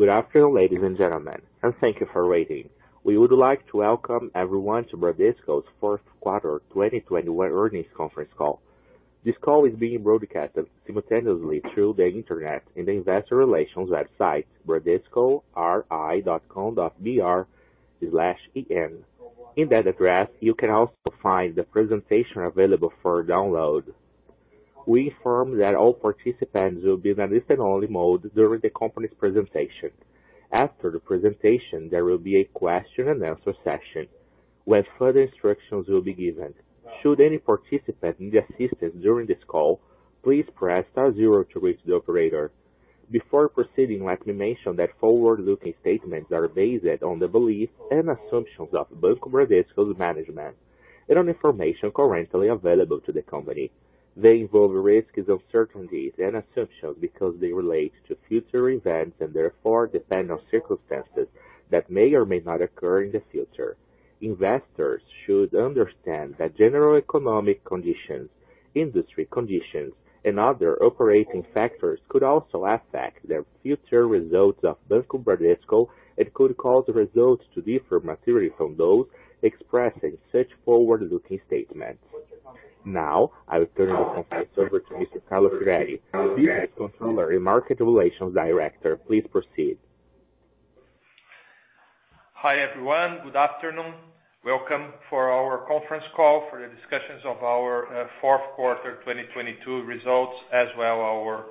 Good afternoon, ladies and gentlemen, and thank you for waiting. We would like to welcome everyone to Bradesco's fourth quarter 2021 earnings conference call. This call is being broadcast simultaneously through the Internet on the investor relations website, ri.bradesco.com.br/en. In that address, you can also find the presentation available for download. We affirm that all participants will be in a listen-only mode during the company's presentation. After the presentation, there will be a question-and-answer session where further instructions will be given. Should any participant need assistance during this call, please press star zero to reach the operator. Before proceeding, let me mention that forward-looking statements are based on the beliefs and assumptions of Banco Bradesco's management and on information currently available to the company. They involve risks, uncertainties and assumptions because they relate to future events and therefore depend on circumstances that may or may not occur in the future. Investors should understand that general economic conditions, industry conditions, and other operating factors could also affect the future results of Banco Bradesco and could cause the results to differ materially from those expressed in such forward-looking statements. Now, I will turn the conference over to Mr. Carlos Firetti, Business Controller and Market Relations Director. Please proceed. Hi, everyone. Good afternoon. Welcome to our conference call for the discussion of our fourth quarter 2022 results, as well as our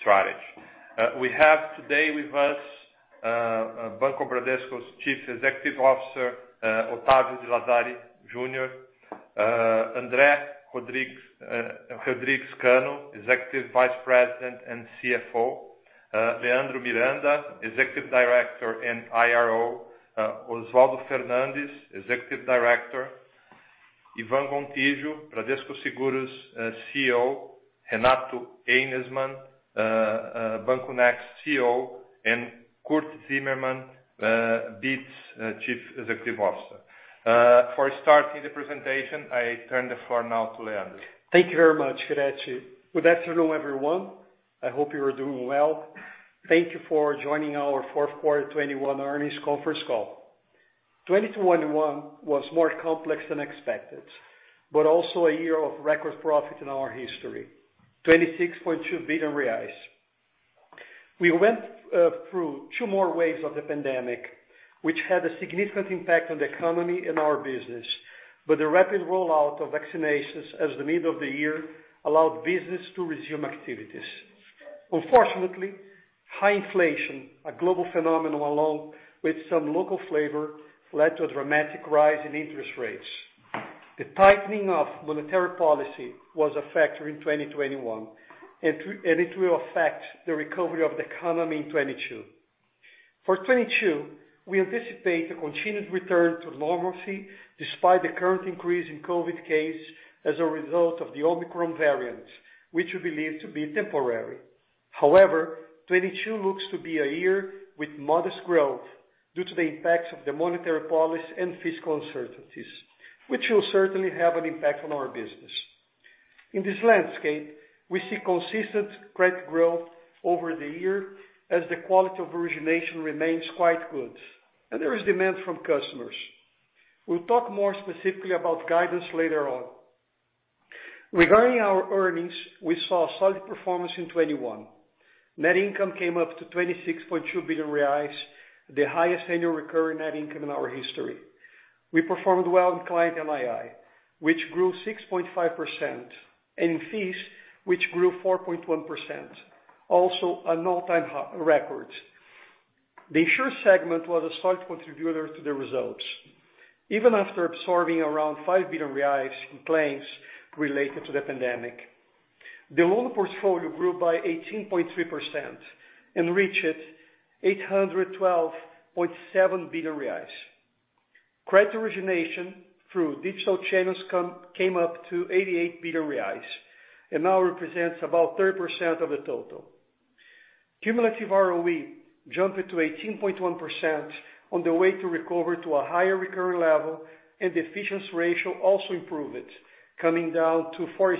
strategy. We have today with us Banco Bradesco's Chief Executive Officer, Octavio de Lazari Junior, Andre Rodrigues Cano, Executive Vice President and CFO, Leandro Miranda, Executive Director and IRO, Oswaldo Fernandes, Executive Director, Ivan Gontijo, Bradesco Seguros CEO, Renato Ejnisman, Banco Next CEO, and Curt Zimmermann, Bitz Chief Executive Officer. For starting the presentation, I turn the floor now to Leandro. Thank you very much, Firetti. Good afternoon, everyone. I hope you are doing well. Thank you for joining our fourth quarter 2021 earnings conference call. 2021 was more complex than expected, but also a year of record profit in our history, 26.2 billion reais. We went through two more waves of the pandemic, which had a significant impact on the economy and our business. The rapid rollout of vaccinations as the middle of the year allowed business to resume activities. Unfortunately, high inflation, a global phenomenon along with some local flavor, led to a dramatic rise in interest rates. The tightening of monetary policy was a factor in 2021, and it will affect the recovery of the economy in 2022. For 2022, we anticipate a continued return to normalcy despite the current increase in COVID cases as a result of the Omicron variant, which we believe to be temporary. However, 2022 looks to be a year with modest growth due to the impacts of the monetary policy and fiscal uncertainties, which will certainly have an impact on our business. In this landscape, we see consistent credit growth over the year as the quality of origination remains quite good, and there is demand from customers. We'll talk more specifically about guidance later on. Regarding our earnings, we saw a solid performance in 2021. Net income came up to 26.2 billion reais, the highest annual recurring net income in our history. We performed well in client NII, which grew 6.5%, and fees, which grew 4.1%, also an all-time record. The insurance segment was a solid contributor to the results, even after absorbing around 5 billion reais in claims related to the pandemic. The loan portfolio grew by 18.3% and reached 812.7 billion reais. Credit origination through digital channels came up to 88 billion reais, and now represents about 30% of the total. Cumulative ROE jumped to 18.1% on the way to recover to a higher recurring level, and the efficiency ratio also improved, coming down to 46%.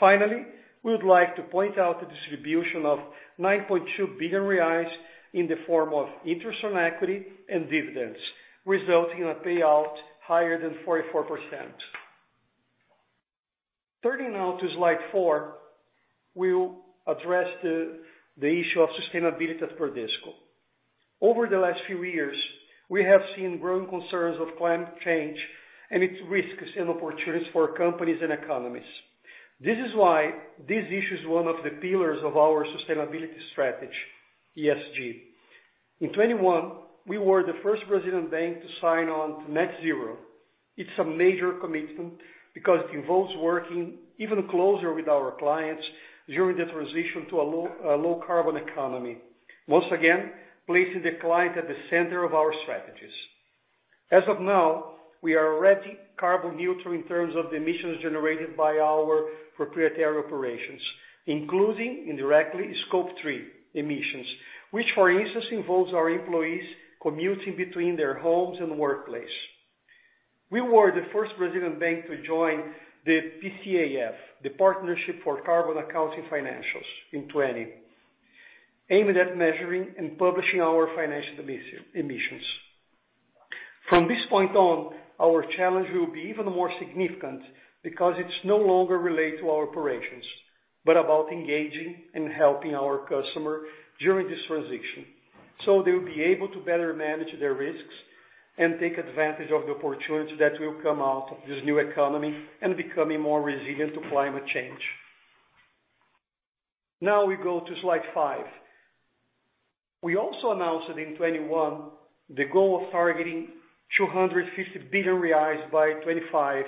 Finally, we would like to point out the distribution of 9.2 billion reais in the form of interest on equity and dividends, resulting in a payout higher than 44%. Turning now to slide four, we'll address the issue of sustainability at Bradesco. Over the last few years, we have seen growing concerns of climate change and its risks and opportunities for companies and economies. This is why this issue is one of the pillars of our sustainability strategy, ESG. In 2021, we were the first Brazilian bank to sign on to net zero. It's a major commitment because it involves working even closer with our clients during the transition to a low carbon economy. Once again, placing the client at the center of our strategies. As of now, we are already carbon neutral in terms of the emissions generated by our proprietary operations, including indirectly Scope 3 emissions, which for instance, involves our employees commuting between their homes and the workplace. We were the first Brazilian bank to join the PCAF, the Partnership for Carbon Accounting Financials, in 2020, aiming at measuring and publishing our financial emissions. From this point on, our challenge will be even more significant because it's no longer related to our operations, but about engaging and helping our customer during this transition, so they will be able to better manage their risks and take advantage of the opportunities that will come out of this new economy and becoming more resilient to climate change. Now we go to slide five. We also announced that in 2021, the goal of targeting 250 billion reais by 2025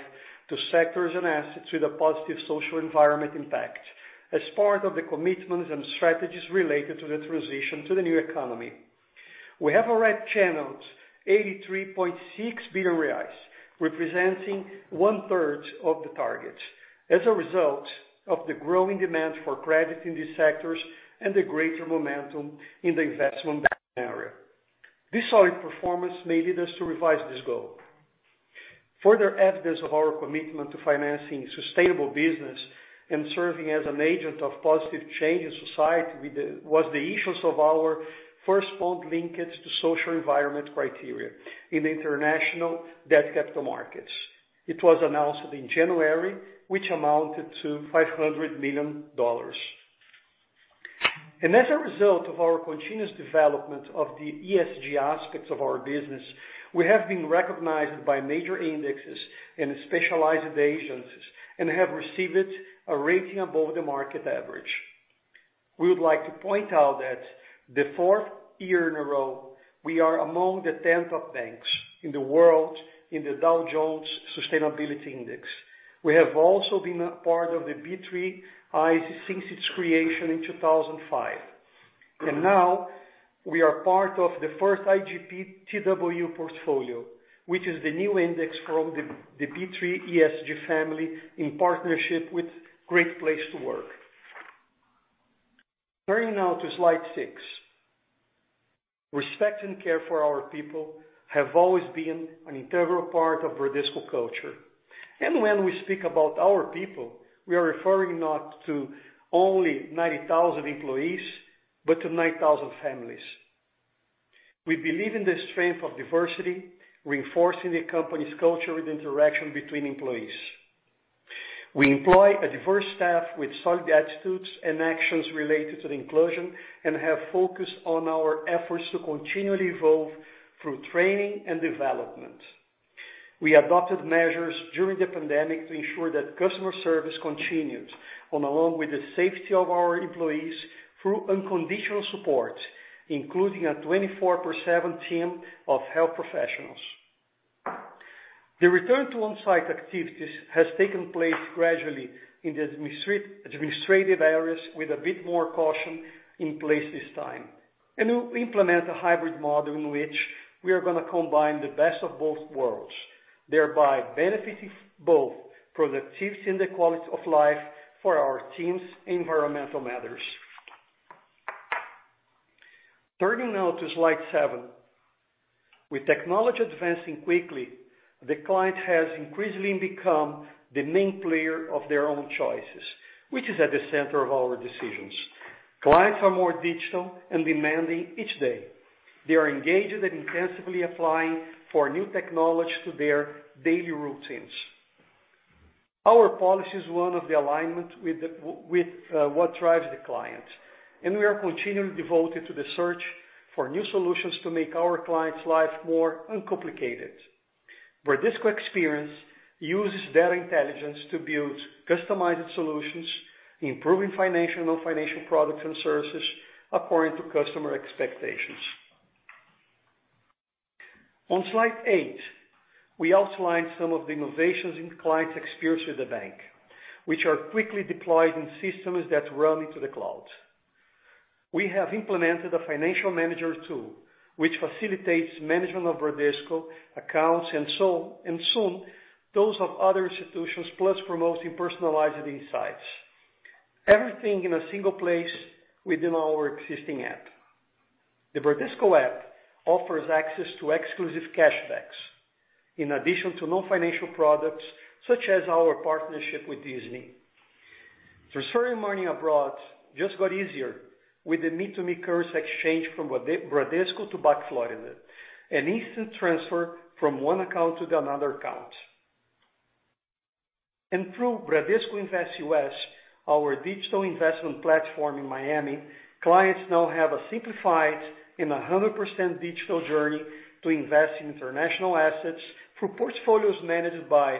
to sectors and assets with a positive social and environmental impact as part of the commitments and strategies related to the transition to the new economy. We have already channeled 83.6 billion reais, representing one-third of the target as a result of the growing demand for credit in these sectors and the greater momentum in the investment banking area. This solid performance made us to revise this goal. Further evidence of our commitment to financing sustainable business and serving as an agent of positive change in society was the issuance of our first bond linked to social and environmental criteria in the international debt capital markets. It was announced in January, which amounted to $500 million. As a result of our continuous development of the ESG aspects of our business, we have been recognized by major indexes and specialized agencies, and have received a rating above the market average. We would like to point out that the fourth year in a row, we are among the 10 top banks in the world in the Dow Jones Sustainability Index. We have also been a part of the B3 ESG since its creation in 2005. Now we are part of the first IGPTW portfolio, which is the new index from the B3 ESG family in partnership with Great Place to Work. Turning now to slide six. Respect and care for our people have always been an integral part of Bradesco culture. When we speak about our people, we are referring not only to 90,000 employees, but to 9,000 families. We believe in the strength of diversity, reinforcing the company's culture with interaction between employees. We employ a diverse staff with solid attitudes and actions related to the inclusion, and have focused on our efforts to continually evolve through training and development. We adopted measures during the pandemic to ensure that customer service continues along with the safety of our employees through unconditional support, including a 24/7 team of health professionals. The return to on-site activities has taken place gradually in the administrative areas with a bit more caution in place this time. We implement a hybrid model in which we are gonna combine the best of both worlds, thereby benefiting both productivity and the quality of life for our teams and environmental matters. Turning now to slide seven. With technology advancing quickly, the client has increasingly become the main player of their own choices, which is at the center of our decisions. Clients are more digital and demanding each day. They are engaged and intensively applying new technology to their daily routines. Our policy is one of alignment with what drives the client, and we are continually devoted to the search for new solutions to make our clients' lives more uncomplicated. Bradesco Experience uses data intelligence to build customized solutions, improving financial and non-financial products and services according to customer expectations. On slide eight, we outlined some of the innovations in clients' experience with the bank, which are quickly deployed in systems that run into the cloud. We have implemented a financial manager tool, which facilitates management of Bradesco accounts, and soon, those of other institutions, plus promoting personalized insights. Everything in a single place within our existing app. The Bradesco app offers access to exclusive cash backs, in addition to non-financial products such as our partnership with Disney. Transferring money abroad just got easier with the me-to-me currency exchange from Bradesco to BAC Florida, an instant transfer from one account to another account. Through Bradesco Invest U.S., our digital investment platform in Miami, clients now have a simplified and 100% digital journey to invest in international assets through portfolios managed by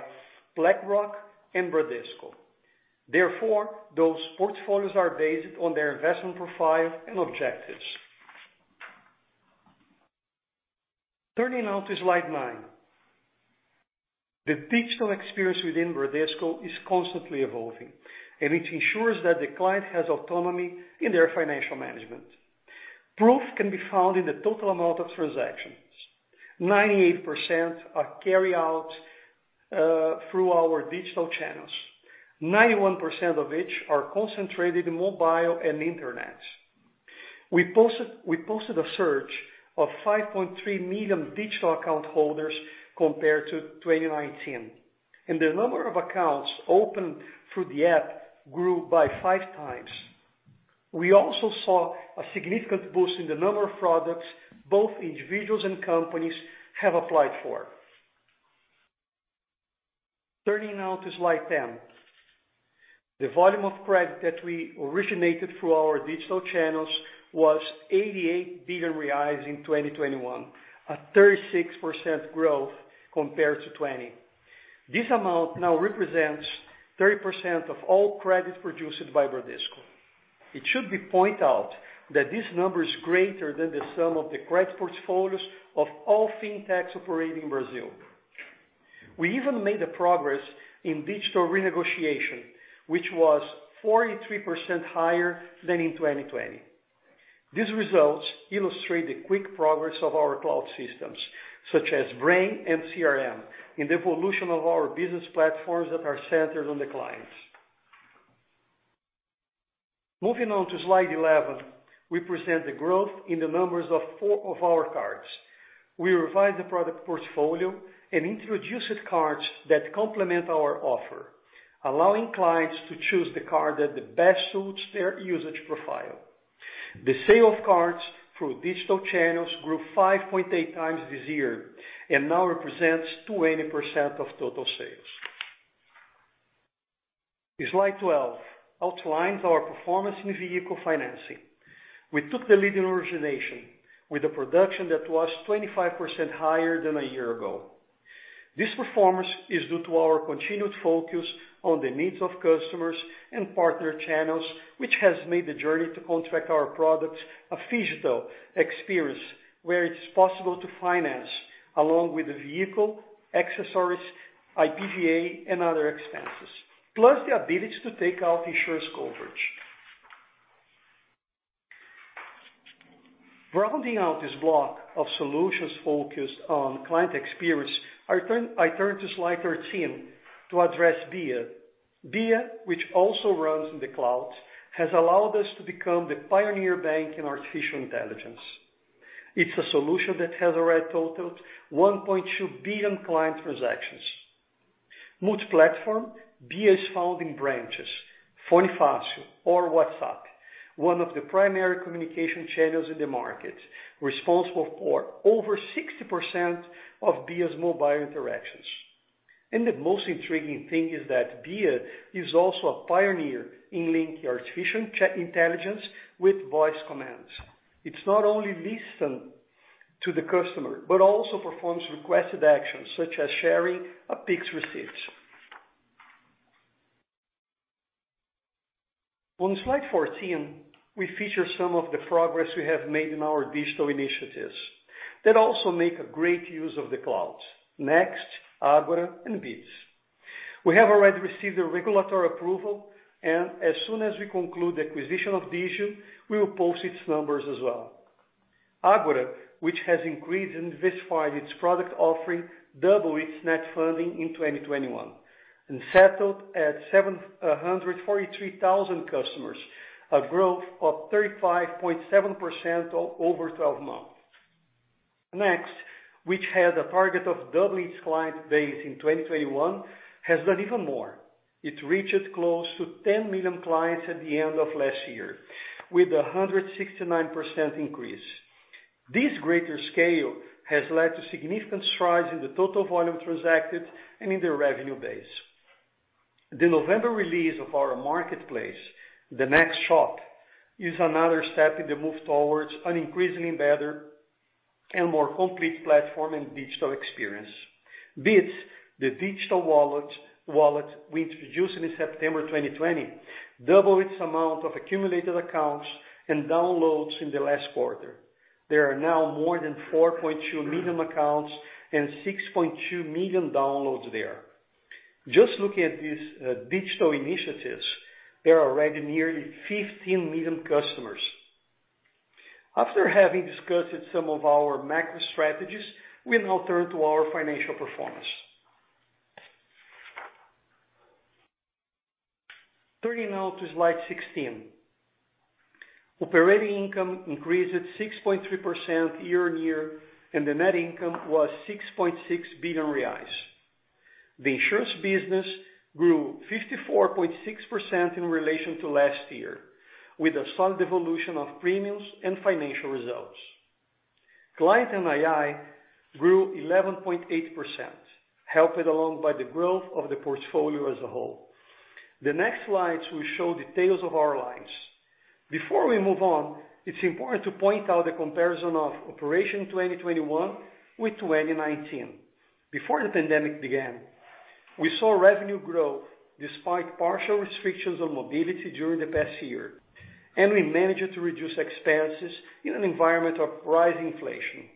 BlackRock and Bradesco. Therefore, those portfolios are based on their investment profile and objectives. Turning now to slide nine. The digital experience within Bradesco is constantly evolving, and it ensures that the client has autonomy in their financial management. Proof can be found in the total amount of transactions. 98% are carried out through our digital channels, 91% of which are concentrated in mobile and internet. We posted a surge of 5.3 million digital account holders compared to 2019, and the number of accounts opened through the app grew by 5x. We also saw a significant boost in the number of products both individuals and companies have applied for. Turning now to slide 10. The volume of credit that we originated through our digital channels was 88 billion reais in 2021, a 36% growth compared to 2020. This amount now represents 30% of all credit produced by Bradesco. It should be pointed out that this number is greater than the sum of the credit portfolios of all fintechs operating in Brazil. We even made a progress in digital renegotiation, which was 43% higher than in 2020. These results illustrate the quick progress of our cloud systems, such as Brain and CRM, in the evolution of our business platforms that are centered on the clients. Moving on to slide 11, we present the growth in the numbers of four of our cards. We revised the product portfolio and introduced cards that complement our offer, allowing clients to choose the card that best suits their usage profile. The sale of cards through digital channels grew 5.8x this year and now represents 20% of total sales. Slide 12 outlines our performance in vehicle financing. We took the lead in origination with a production that was 25% higher than a year ago. This performance is due to our continued focus on the needs of customers and partner channels, which has made the journey to contract our products a phygital experience, where it's possible to finance, along with the vehicle, accessories, IPVA, and other expenses, plus the ability to take out insurance coverage. Rounding out this block of solutions focused on client experience, I turn to slide 13 to address BIA. BIA, which also runs in the cloud, has allowed us to become the pioneer bank in artificial intelligence. It's a solution that has already totaled 1.2 billion client transactions. Multi-platform, BIA is found in branches, Fone Fácil, or WhatsApp, one of the primary communication channels in the market, responsible for over 60% of BIA's mobile interactions. The most intriguing thing is that BIA is also a pioneer in linking artificial intelligence with voice commands. It's not only listen to the customer, but also performs requested actions, such as sharing a Pix receipt. On slide 14, we feature some of the progress we have made in our digital initiatives that also make a great use of the cloud, Next, Ágora, and Bitz. We have already received the regulatory approval, and as soon as we conclude the acquisition of Digio, we will post its numbers as well. Ágora, which has increased and diversified its product offering, double its net funding in 2021 and settled at 743,000 customers, a growth of 35.7% over 12 months. Next, which had a target of double its client base in 2021, has done even more. It reached close to 10 million clients at the end of last year with a 169% increase. This greater scale has led to significant strides in the total volume transacted and in the revenue base. The November release of our marketplace, the NextShop, is another step in the move towards an increasingly better and more complete platform and digital experience. Bitz, the digital wallet we introduced in September 2020, double its amount of accumulated accounts and downloads in the last quarter. There are now more than 4.2 million accounts and 6.2 million downloads there. Just looking at these, digital initiatives, there are already nearly 15 million customers. After having discussed some of our macro strategies, we now turn to our financial performance. Turning now to slide 16. Operating income increased 6.3% year-on-year, and the net income was 6.6 billion reais. The insurance business grew 54.6% in relation to last year, with a solid evolution of premiums and financial results. Client NII grew 11.8%, helped along by the growth of the portfolio as a whole. The next slides will show details of our lines. Before we move on, it's important to point out the comparison of operations 2021 with 2019, before the pandemic began. We saw revenue growth despite partial restrictions on mobility during the past year, and we managed to reduce expenses in an environment of rising inflation,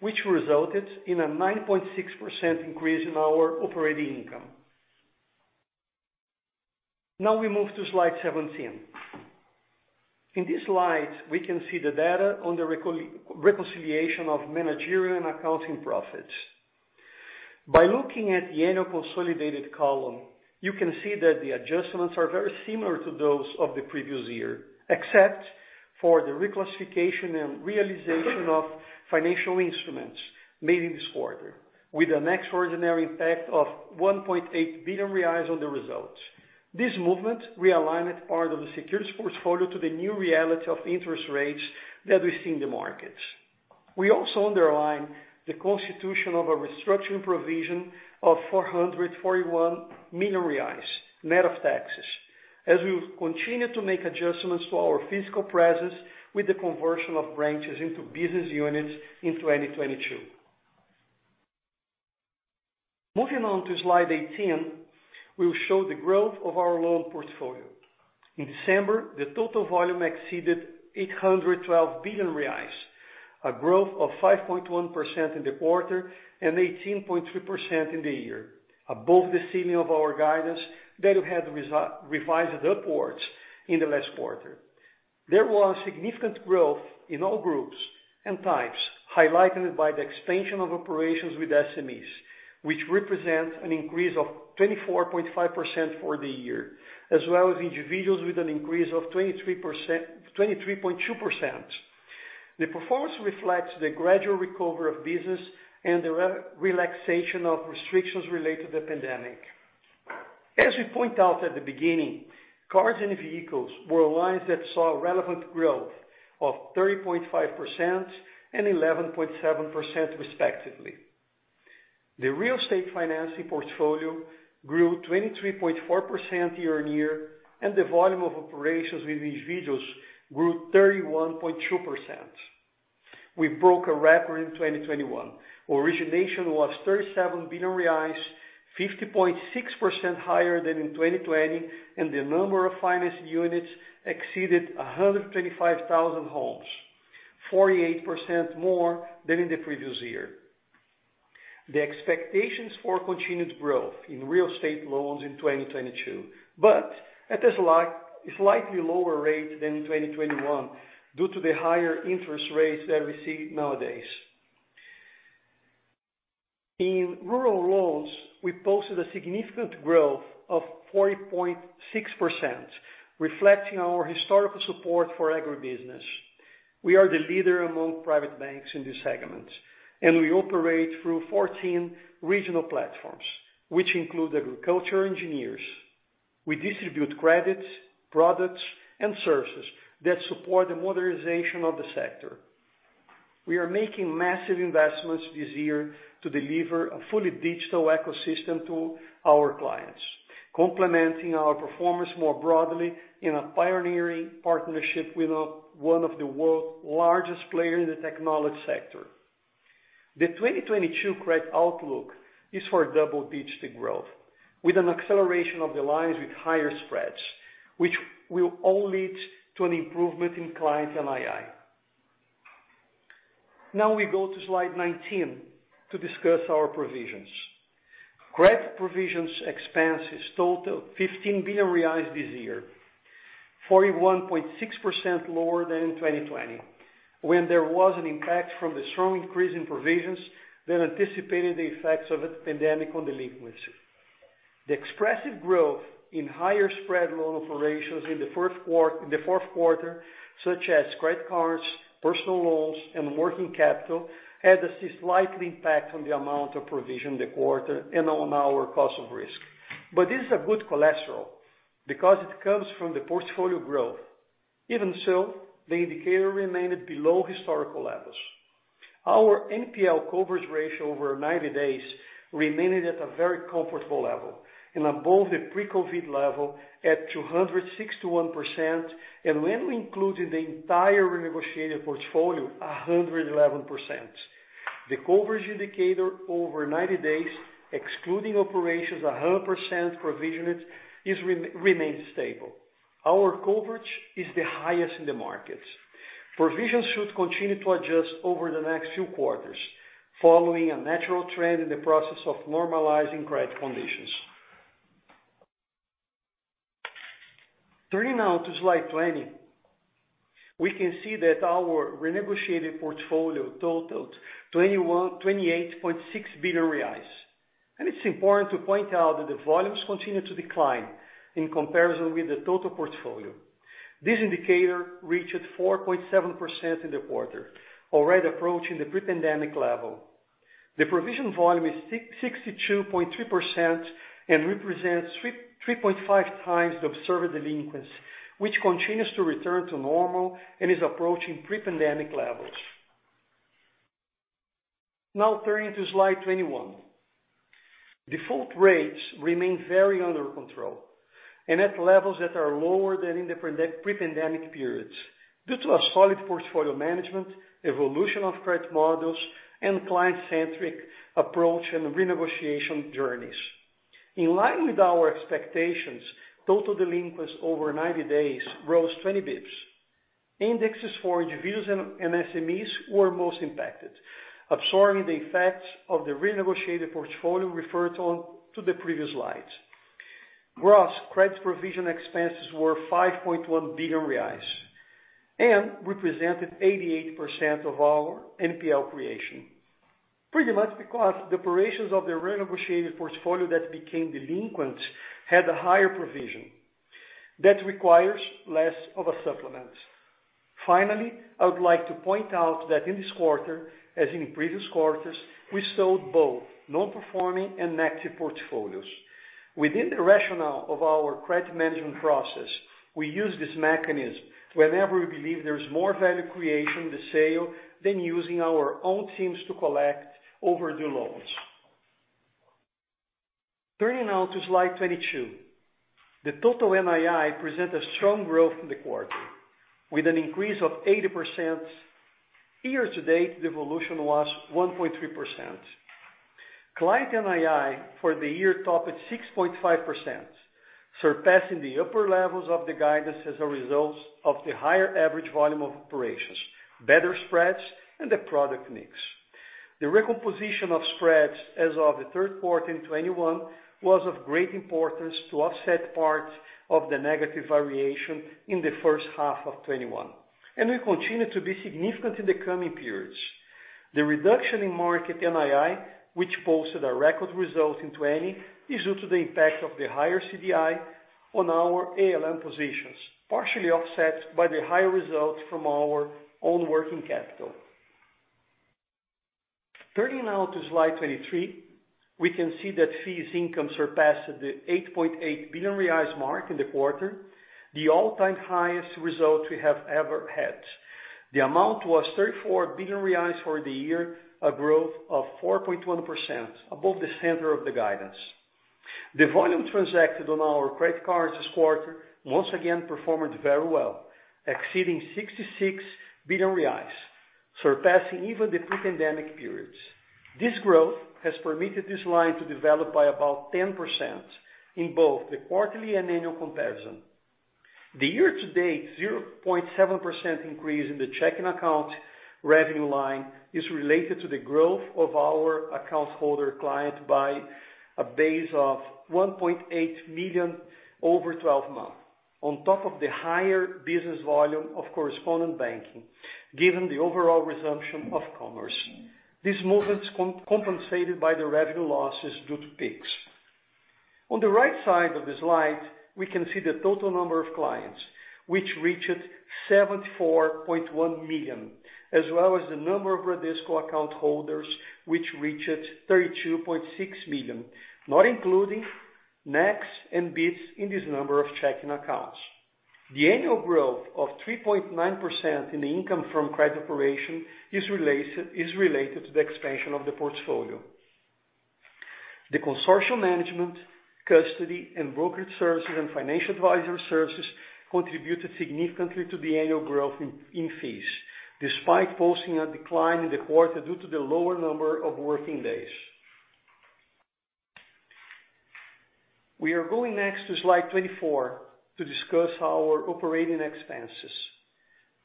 which resulted in a 9.6% increase in our operating income. Now we move to slide 17. In this slide, we can see the data on the reconciliation of managerial and accounting profits. By looking at the annual consolidated column, you can see that the adjustments are very similar to those of the previous year, except for the reclassification and realization of financial instruments made in this quarter, with an extraordinary impact of 1.8 billion reais on the results. This movement realigned part of the securities portfolio to the new reality of interest rates that we see in the markets. We also underline the constitution of a restructuring provision of 441 million reais, net of taxes, as we continue to make adjustments to our physical presence with the conversion of branches into business units in 2022. Moving on to slide 18, we will show the growth of our loan portfolio. In December, the total volume exceeded 812 billion reais, a growth of 5.1% in the quarter and 18.3% in the year, above the ceiling of our guidance that we had revised upwards in the last quarter. There was significant growth in all groups and types, highlighted by the expansion of operations with SMEs, which represents an increase of 24.5% for the year, as well as individuals with an increase of 23.2%. The performance reflects the gradual recovery of business and the relaxation of restrictions related to the pandemic. As we point out at the beginning, cars and vehicles were lines that saw relevant growth of 30.5% and 11.7%, respectively. The real estate financing portfolio grew 23.4% year-on-year, and the volume of operations with individuals grew 31.2%. We broke a record in 2021. Origination was 37 billion reais, 50.6% higher than in 2020, and the number of financed units exceeded 125,000 homes, 48% more than in the previous year. The expectations for continued growth in real estate loans in 2022, but at a slightly lower rate than in 2021 due to the higher interest rates that we see nowadays. In rural loans, we posted a significant growth of 40.6%, reflecting our historical support for agribusiness. We are the leader among private banks in this segment, and we operate through 14 regional platforms, which include agriculture engineers. We distribute credits, products, and services that support the modernization of the sector. We are making massive investments this year to deliver a fully digital ecosystem to our clients, complementing our performance more broadly in a pioneering partnership with one of the world's largest player in the technology sector. The 2022 credit outlook is for double-digit growth, with an acceleration of the lines with higher spreads, which will all lead to an improvement in Client NII. Now we go to slide 19 to discuss our provisions. Credit provisions expenses totaled 15 billion reais this year, 41.6% lower than in 2020 when there was an impact from the strong increase in provisions that anticipated the effects of the pandemic on delinquency. The expressive growth in higher spread loan operations in the fourth quarter, such as credit cards, personal loans, and working capital, had a slight impact on the amount of provision in the quarter and on our cost of risk. This is a good cholesterol because it comes from the portfolio growth. Even so, the indicator remained below historical levels. Our NPL coverage ratio over 90 days remained at a very comfortable level and above the pre-COVID level at 261%, and when we included the entire renegotiated portfolio, 111%. The coverage indicator over 90 days, excluding operations 100% provisioned, remains stable. Our coverage is the highest in the markets. Provisions should continue to adjust over the next few quarters following a natural trend in the process of normalizing credit conditions. Turning now to slide 20, we can see that our renegotiated portfolio totaled 28.6 billion reais. It's important to point out that the volumes continue to decline in comparison with the total portfolio. This indicator reached 4.7% in the quarter, already approaching the pre-pandemic level. The provision volume is 662.3% and represents 3.5x the observed delinquency, which continues to return to normal and is approaching pre-pandemic levels. Now turning to slide 21. Default rates remain very under control and at levels that are lower than in the pre-pandemic periods due to a solid portfolio management, evolution of credit models, and client-centric approach and renegotiation journeys. In line with our expectations, total delinquents over 90 days rose 20 basis points. Indexes for individuals and SMEs were most impacted, absorbing the effects of the renegotiated portfolio referred on to the previous slides. Gross credit provision expenses were 5.1 billion reais, and represented 88% of our NPL creation. Pretty much because the operations of the renegotiated portfolio that became delinquent had a higher provision that requires less of a supplement. Finally, I would like to point out that in this quarter, as in previous quarters, we sold both non-performing and active portfolios. Within the rationale of our credit management process, we use this mechanism whenever we believe there is more value creation in the sale than using our own teams to collect overdue loans. Turning now to slide 22. The total NII presented strong growth in the quarter with an increase of 80%. Year-to-date, the evolution was 1.3%. Client NII for the year topped at 6.5%, surpassing the upper levels of the guidance as a result of the higher average volume of operations, better spreads, and the product mix. The recomposition of spreads as of the third quarter in 2021 was of great importance to offset parts of the negative variation in the H1 of 2021, and will continue to be significant in the coming periods. The reduction in market NII, which posted a record result in 2020, is due to the impact of the higher CDI on our ALM positions, partially offset by the higher results from our own working capital. Turning now to slide 23, we can see that fees income surpassed the 8.8 billion reais mark in the quarter, the all-time highest result we have ever had. The amount was 34 billion reais for the year, a growth of 4.1% above the center of the guidance. The volume transacted on our credit cards this quarter once again performed very well, exceeding 66 billion reais, surpassing even the pre-pandemic periods. This growth has permitted this line to develop by about 10% in both the quarterly and annual comparison. The year-to-date 0.7% increase in the checking account revenue line is related to the growth of our account holder client by a base of 1.8 million over 12 months, on top of the higher business volume of correspondent banking, given the overall resumption of commerce. These movements compensated by the revenue losses due to Pix. On the right side of the slide, we can see the total number of clients, which reached 74.1 million, as well as the number of Bradesco account holders, which reached 32.6 million, not including Next and Bitz in this number of checking accounts. The annual growth of 3.9% in the income from credit operation is related to the expansion of the portfolio. The consortium management, custody, and brokerage services and financial advisory services contributed significantly to the annual growth in fees, despite posting a decline in the quarter due to the lower number of working days. We are going next to slide 24 to discuss our operating expenses.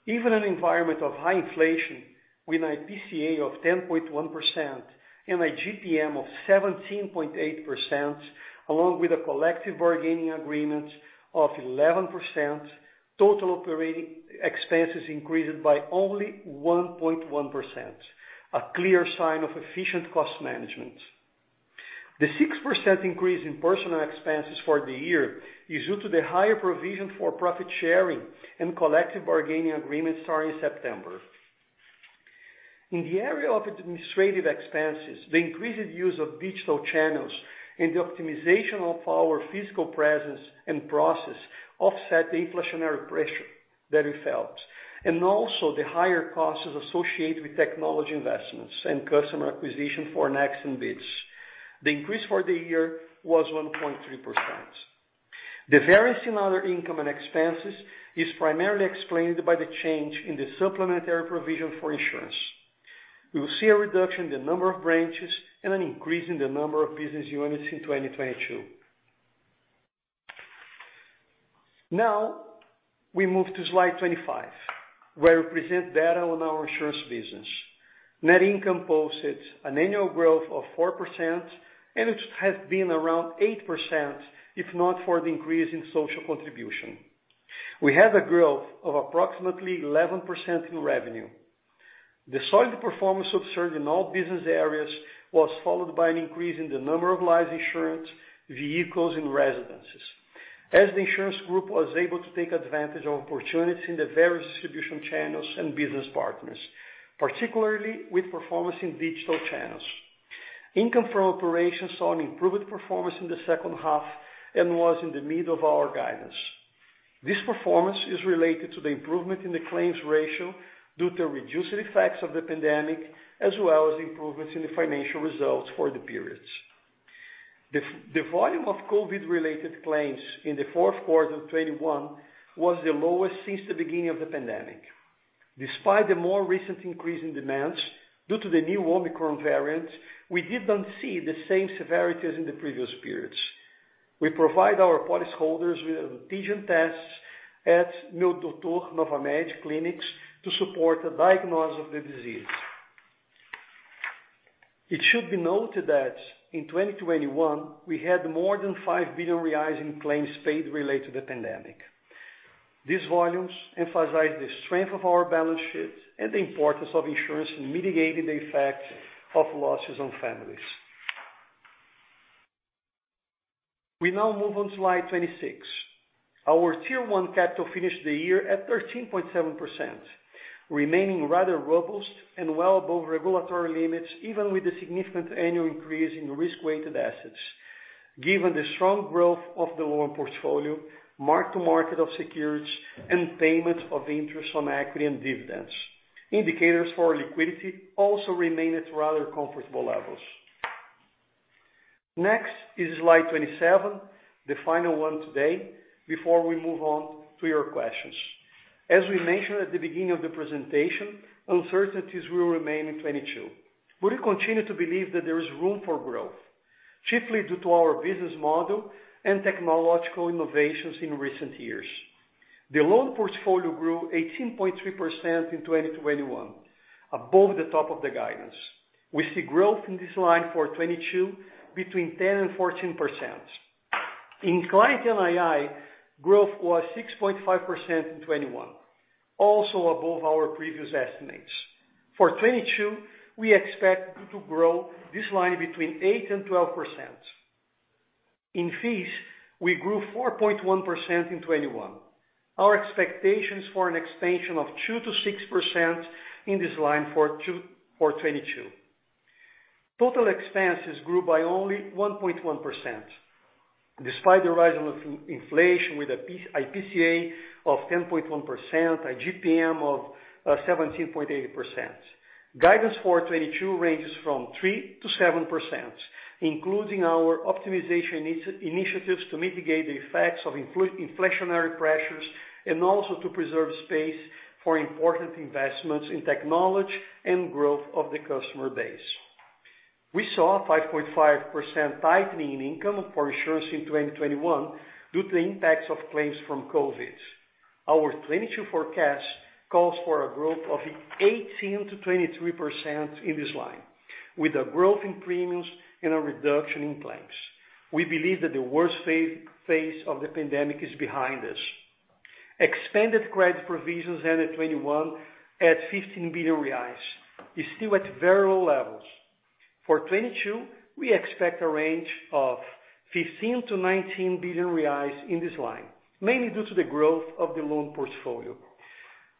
Even in an environment of high inflation with IPCA of 10.1% and an IGP-M of 17.8%, along with a collective bargaining agreement of 11%, total operating expenses increased by only 1.1%, a clear sign of efficient cost management. The 6% increase in personal expenses for the year is due to the higher provision for profit sharing and collective bargaining agreements starting September. In the area of administrative expenses, the increased use of digital channels and the optimization of our physical presence and process offset the inflationary pressure that we felt, and also the higher costs associated with technology investments and customer acquisition for Next and Bitz. The increase for the year was 1.3%. The variance in other income and expenses is primarily explained by the change in the supplementary provision for insurance. We will see a reduction in the number of branches and an increase in the number of business units in 2022. Now we move to slide 25, where we present data on our insurance business. Net income posted an annual growth of 4%, and it has been around 8% if not for the increase in social contribution. We had a growth of approximately 11% in revenue. The solid performance observed in all business areas was followed by an increase in the number of life insurance, vehicles, and residences, as the insurance group was able to take advantage of opportunities in the various distribution channels and business partners, particularly with performance in digital channels. Income from operations saw an improved performance in the H2 and was in the middle of our guidance. This performance is related to the improvement in the claims ratio due to reduced effects of the pandemic, as well as improvements in the financial results for the periods. The volume of COVID-related claims in the fourth quarter of 2021 was the lowest since the beginning of the pandemic. Despite the more recent increase in demands due to the new Omicron variant, we didn't see the same severities in the previous periods. We provide our policyholders with antigen tests at Meu Doutor Novamed clinics to support the diagnosis of the disease. It should be noted that in 2021, we had more than 5 billion reais in claims paid related to the pandemic. These volumes emphasize the strength of our balance sheet and the importance of insurance in mitigating the effects of losses on families. We now move on to slide 26. Our tier one capital finished the year at 13.7%, remaining rather robust and well above regulatory limits, even with the significant annual increase in risk-weighted assets. Given the strong growth of the loan portfolio, mark to market of securities and payment of interest on equity and dividends. Indicators for liquidity also remain at rather comfortable levels. Next is slide 27, the final one today, before we move on to your questions. As we mentioned at the beginning of the presentation, uncertainties will remain in 2022. We continue to believe that there is room for growth, chiefly due to our business model and technological innovations in recent years. The loan portfolio grew 18.3% in 2021, above the top of the guidance. We see growth in this line for 2022 between 10%-14%. In client NII, growth was 6.5% in 2021, also above our previous estimates. For 2022, we expect to grow this line between 8%-12%. In fees, we grew 4.1% in 2021. Our expectations for an expansion of 2%-6% in this line for 2022. Total expenses grew by only 1.1%, despite the rise in inflation with an IPCA of 10.1%, an IGP-M of 17.8%. Guidance for 2022 ranges from 3%-7%, including our optimization initiatives to mitigate the effects of inflationary pressures and also to preserve space for important investments in technology and growth of the customer base. We saw a 5.5% tightening in income for insurance in 2021 due to impacts of claims from COVID. Our 2022 forecast calls for a growth of 18%-23% in this line, with a growth in premiums and a reduction in claims. We believe that the worst phase of the pandemic is behind us. Expanded credit provisions ended 2021 at 15 billion reais. It is still at very low levels. For 2022, we expect a range of 15 billion-19 billion reais in this line, mainly due to the growth of the loan portfolio.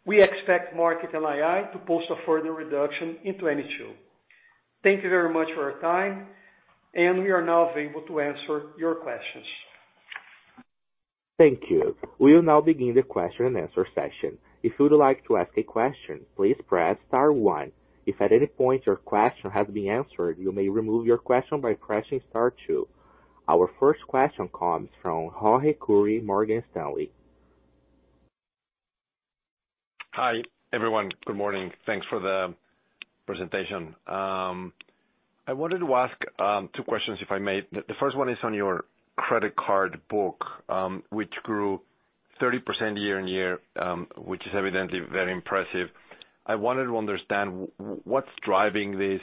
We expect market NII to post a further reduction in 2022. Thank you very much for your time, and we are now available to answer your questions. Thank you. We'll now begin the question and answer session. If you would like to ask a question, please press star one. If at any point your question has been answered, you may remove your question by pressing star two. Our first question comes from Jorge Kuri, Morgan Stanley. Hi, everyone. Good morning. Thanks for the presentation. I wanted to ask two questions, if I may. The first one is on your credit card book, which grew 30% year-on-year, which is evidently very impressive. I wanted to understand what's driving this.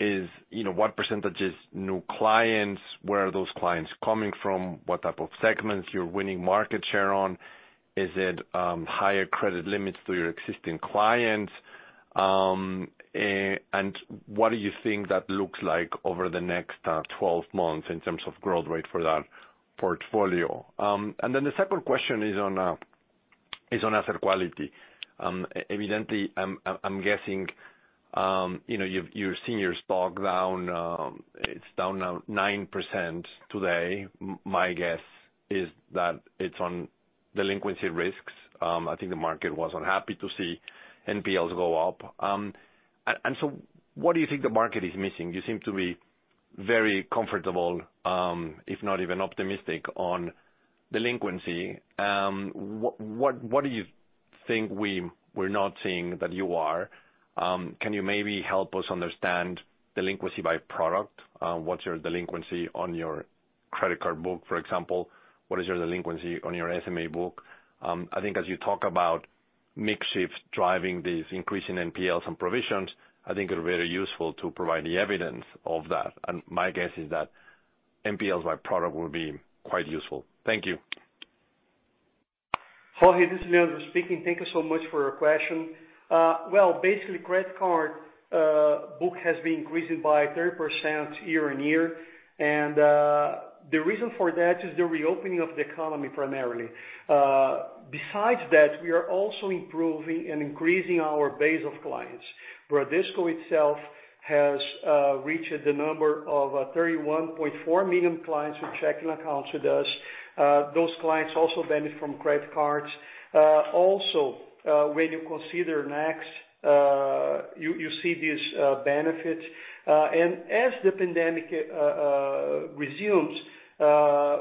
You know, what percentage is new clients? Where are those clients coming from? What type of segments you're winning market share on? Is it higher credit limits to your existing clients? And what do you think that looks like over the next 12 months in terms of growth rate for that portfolio? The second question is on asset quality. Evidently, I'm guessing, you know, you're seeing your stock down, it's down now 9% today. My guess is that it's on delinquency risks. I think the market was unhappy to see NPLs go up. What do you think the market is missing? You seem to be very comfortable, if not even optimistic on delinquency. What do you think we're not seeing that you are? Can you maybe help us understand delinquency by product? What's your delinquency on your credit card book, for example? What is your delinquency on your SME book? I think as you talk about mix shifts driving these increasing NPLs and provisions, I think it's very useful to provide the evidence of that. My guess is that NPLs by product will be quite useful. Thank you. Jorge, this is Leandro speaking. Thank you so much for your question. Well, basically credit card book has been increasing by 30% year-over-year. The reason for that is the reopening of the economy primarily. Besides that, we are also improving and increasing our base of clients. Bradesco itself has reached the number of 31.4 million clients with checking accounts with us. Those clients also benefit from credit cards. Also, when you consider Next, you see these benefits. As the pandemic recedes,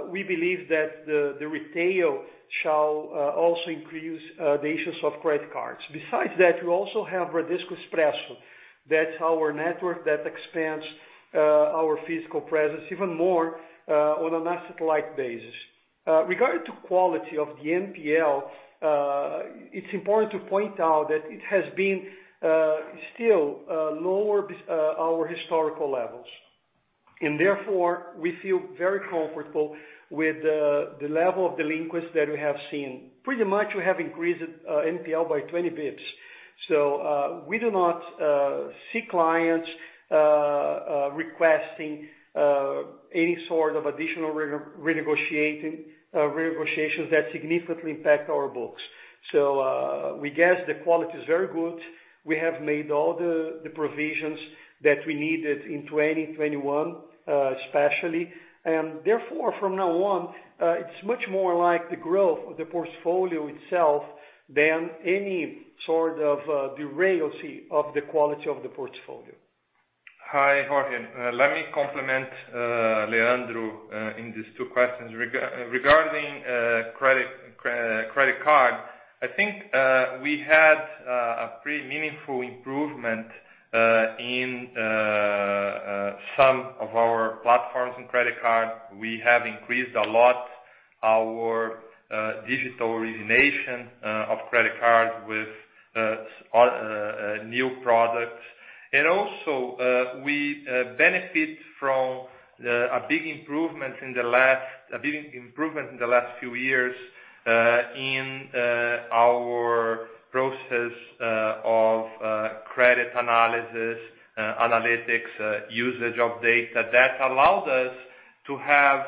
we believe that the retail shall also increase the issuance of credit cards. Besides that, we also have Bradesco Expresso. That's our network that expands our physical presence even more on an asset-light basis. Regarding the quality of the NPL, it's important to point out that it has been still lower than our historical levels. Therefore, we feel very comfortable with the level of delinquency that we have seen. Pretty much we have increased NPL by 20 basis points. We do not see clients requesting any sort of additional renegotiations that significantly impact our books. We guess the quality is very good. We have made all the provisions that we needed in 2021, especially. Therefore, from now on, it's much more like the growth of the portfolio itself than any sort of derailment of the quality of the portfolio. Hi, Jorge. Let me complement Leandro in these two questions. Regarding credit card, I think we had a pretty meaningful improvement in some of our platforms in credit card. We have increased a lot our digital origination of credit card with new products. Also, we benefit from a big improvement in the last few years in our process of credit analysis, analytics, usage of data that allowed us to have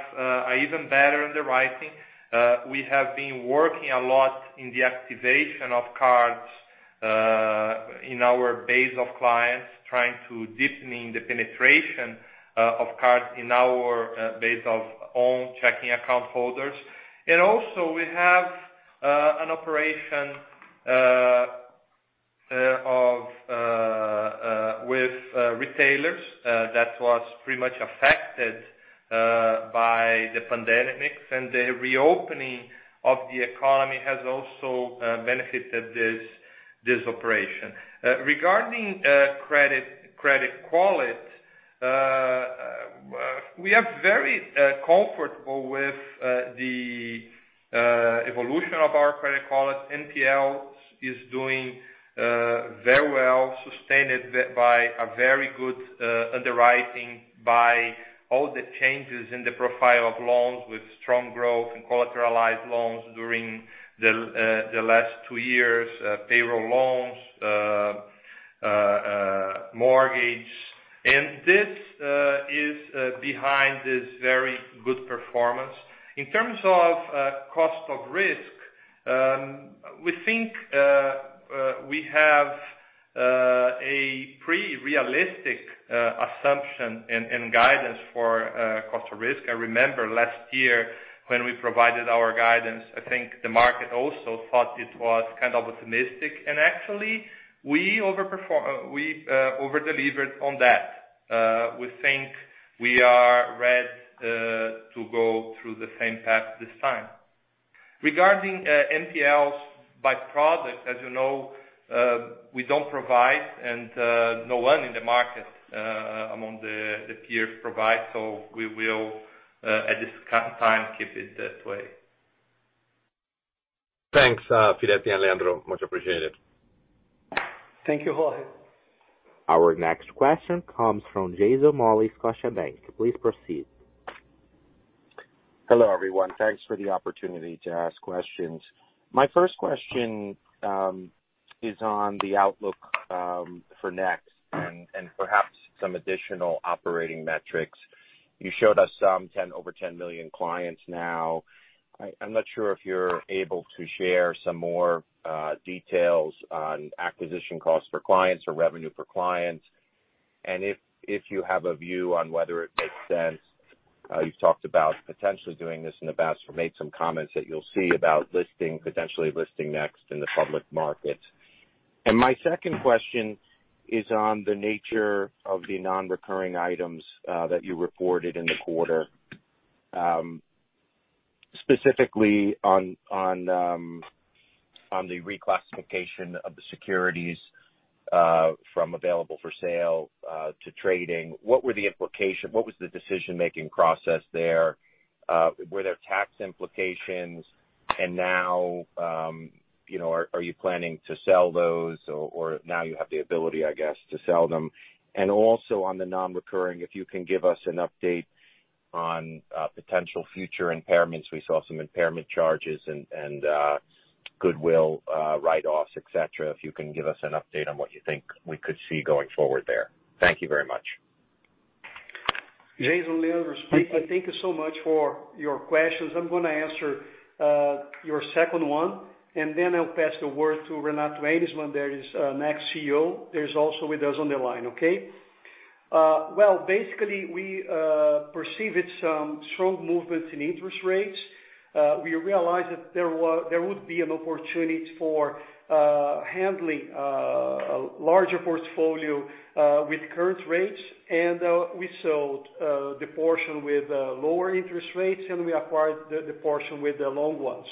even better underwriting. We have been working a lot in the activation of cards in our base of clients, trying to deepening the penetration of cards in our base of own checking account holders. We have an operation with retailers that was pretty much affected by the pandemic. The reopening of the economy has also benefited this operation. Regarding credit quality, we are very comfortable with the evolution of our credit quality. NPL is doing very well, sustained by a very good underwriting by all the changes in the profile of loans with strong growth and collateralized loans during the last two years, payroll loans, mortgage. This is behind this very good performance. In terms of cost of risk, we think we have a pretty realistic assumption and guidance for cost of risk. I remember last year when we provided our guidance, I think the market also thought it was kind of optimistic. Actually, we over-delivered on that. We think we are ready to go through the same path this time. Regarding NPLs by product, as you know, we don't provide and no one in the market among the peers provide, so we will at this time keep it that way. Thanks, Firetti and Leandro. Much appreciated. Thank you, Jorge. Our next question comes from Jason Mollin, Scotiabank. Please proceed. Hello, everyone. Thanks for the opportunity to ask questions. My first question is on the outlook for Next and perhaps some additional operating metrics. You showed us over 10 million clients now. I'm not sure if you're able to share some more details on acquisition costs for clients or revenue for clients. If you have a view on whether it makes sense, you've talked about potentially doing this in the past or made some comments that you'll see about listing, potentially listing Next in the public market. My second question is on the nature of the non-recurring items that you reported in the quarter. Specifically on the reclassification of the securities from available for sale to trading. What were the implications? What was the decision-making process there? Were there tax implications? Now, you know, are you planning to sell those or now you have the ability, I guess, to sell them? Also on the non-recurring, if you can give us an update on potential future impairments. We saw some impairment charges and goodwill write-offs, et cetera. If you can give us an update on what you think we could see going forward there. Thank you very much. Jason, Leandro speaking. Thank you so much for your questions. I'm gonna answer your second one, and then I'll pass the word to Renato Ejnisman that is next CEO. He's also with us on the line. Okay? Well, basically, we perceive a strong movement in interest rates. We realize that there would be an opportunity for handling a larger portfolio with current rates, and we sold the portion with lower interest rates, and we acquired the portion with the long ones.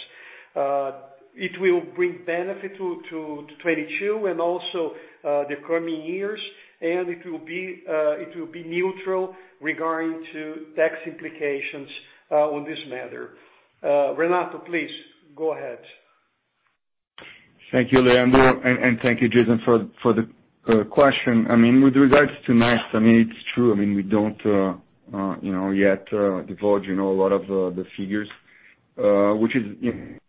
It will bring benefit to 2022 and also the coming years, and it will be neutral regarding to tax implications on this matter. Renato, please go ahead. Thank you, Leandro. Thank you, Jason, for the question. I mean, with regards to NIMs, I mean, it's true. I mean, we don't you know yet divulge you know a lot of the figures which is in-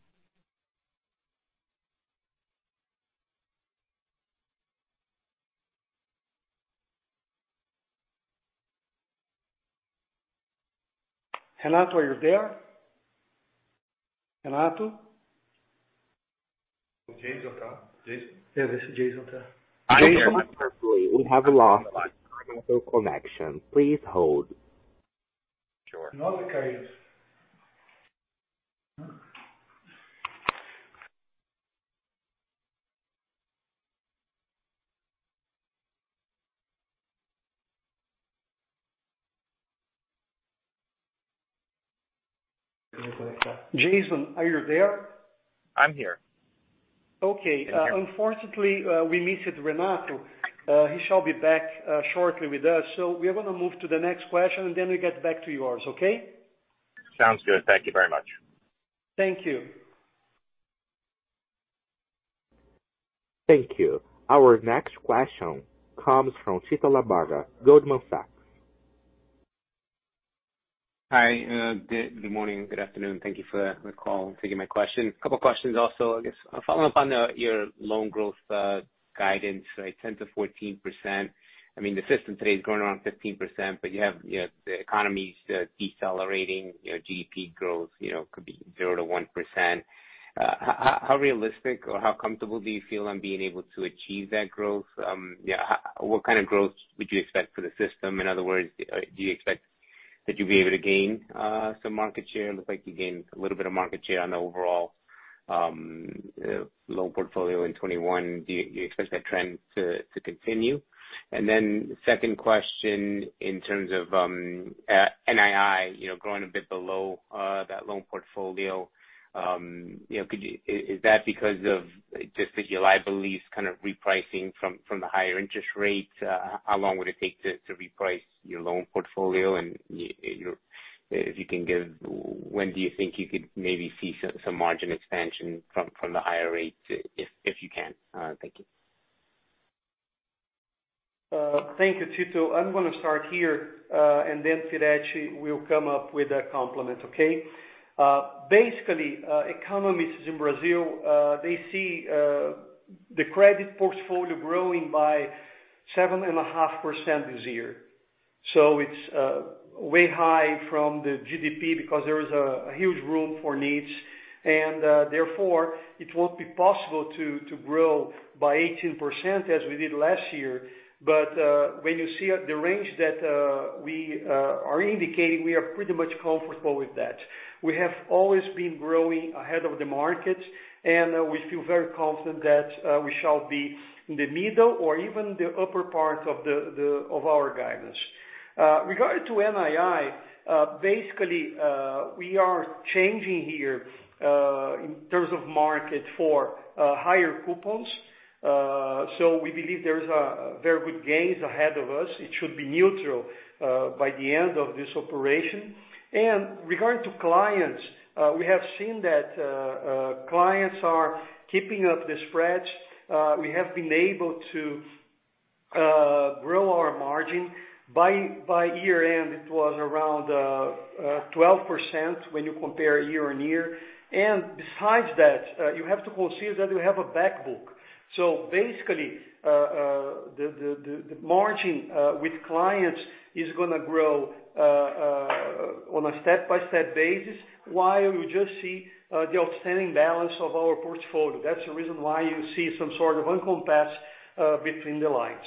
Renato, are you there? Renato? Jason on the line. Jason? Yeah, this is Jason. I'm here. We have lost Renato connection. Please hold. Sure. Now the carrier. Huh? Jason, are you there? I'm here. Okay. Yeah. Unfortunately, we missed Renato. He shall be back shortly with us. We're gonna move to the next question, and then we get back to yours. Okay. Sounds good. Thank you very much. Thank you. Thank you. Our next question comes from Tito Labarta, Goldman Sachs. Hi. Good morning, good afternoon. Thank you for the call and taking my question. A couple questions also, I guess. Following up on your loan growth guidance, right, 10%-14%. I mean, the system today is growing around 15%, but you have, you know, the economy's decelerating. You know, GDP growth, you know, could be 0%-1%. How realistic or how comfortable do you feel on being able to achieve that growth? Yeah, what kind of growth would you expect for the system? In other words, do you expect that you'll be able to gain some market share? It looks like you gained a little bit of market share on the overall loan portfolio in 2021. Do you expect that trend to continue? Second question, in terms of NII, you know, growing a bit below that loan portfolio, you know, is that because of just your liabilities kind of repricing from the higher interest rates? How long would it take to reprice your loan portfolio? You know, if you can give when do you think you could maybe see some margin expansion from the higher rates, if you can? Thank you. Thank you, Tito. I'm gonna start here, and then Firetti will come up with a complement, okay? Basically, economists in Brazil, they see the credit portfolio growing by 7.5% this year. It's way higher than the GDP because there is a huge room for needs. Therefore, it won't be possible to grow by 18% as we did last year. When you see the range that we are indicating, we are pretty much comfortable with that. We have always been growing ahead of the market, and we feel very confident that we shall be in the middle or even the upper part of the of our guidance. Regarding NII, basically, we are changing here in terms of market for higher coupons. We believe there is a very good gains ahead of us. It should be neutral by the end of this operation. Regarding clients, we have seen that clients are keeping up the spreads. We have been able to grow our margin. By year-end, it was around 12% when you compare year-on-year. Besides that, you have to consider that we have a back book. Basically, the margin with clients is gonna grow on a step-by-step basis, while you just see the outstanding balance of our portfolio. That's the reason why you see some sort of disconnect between the lines.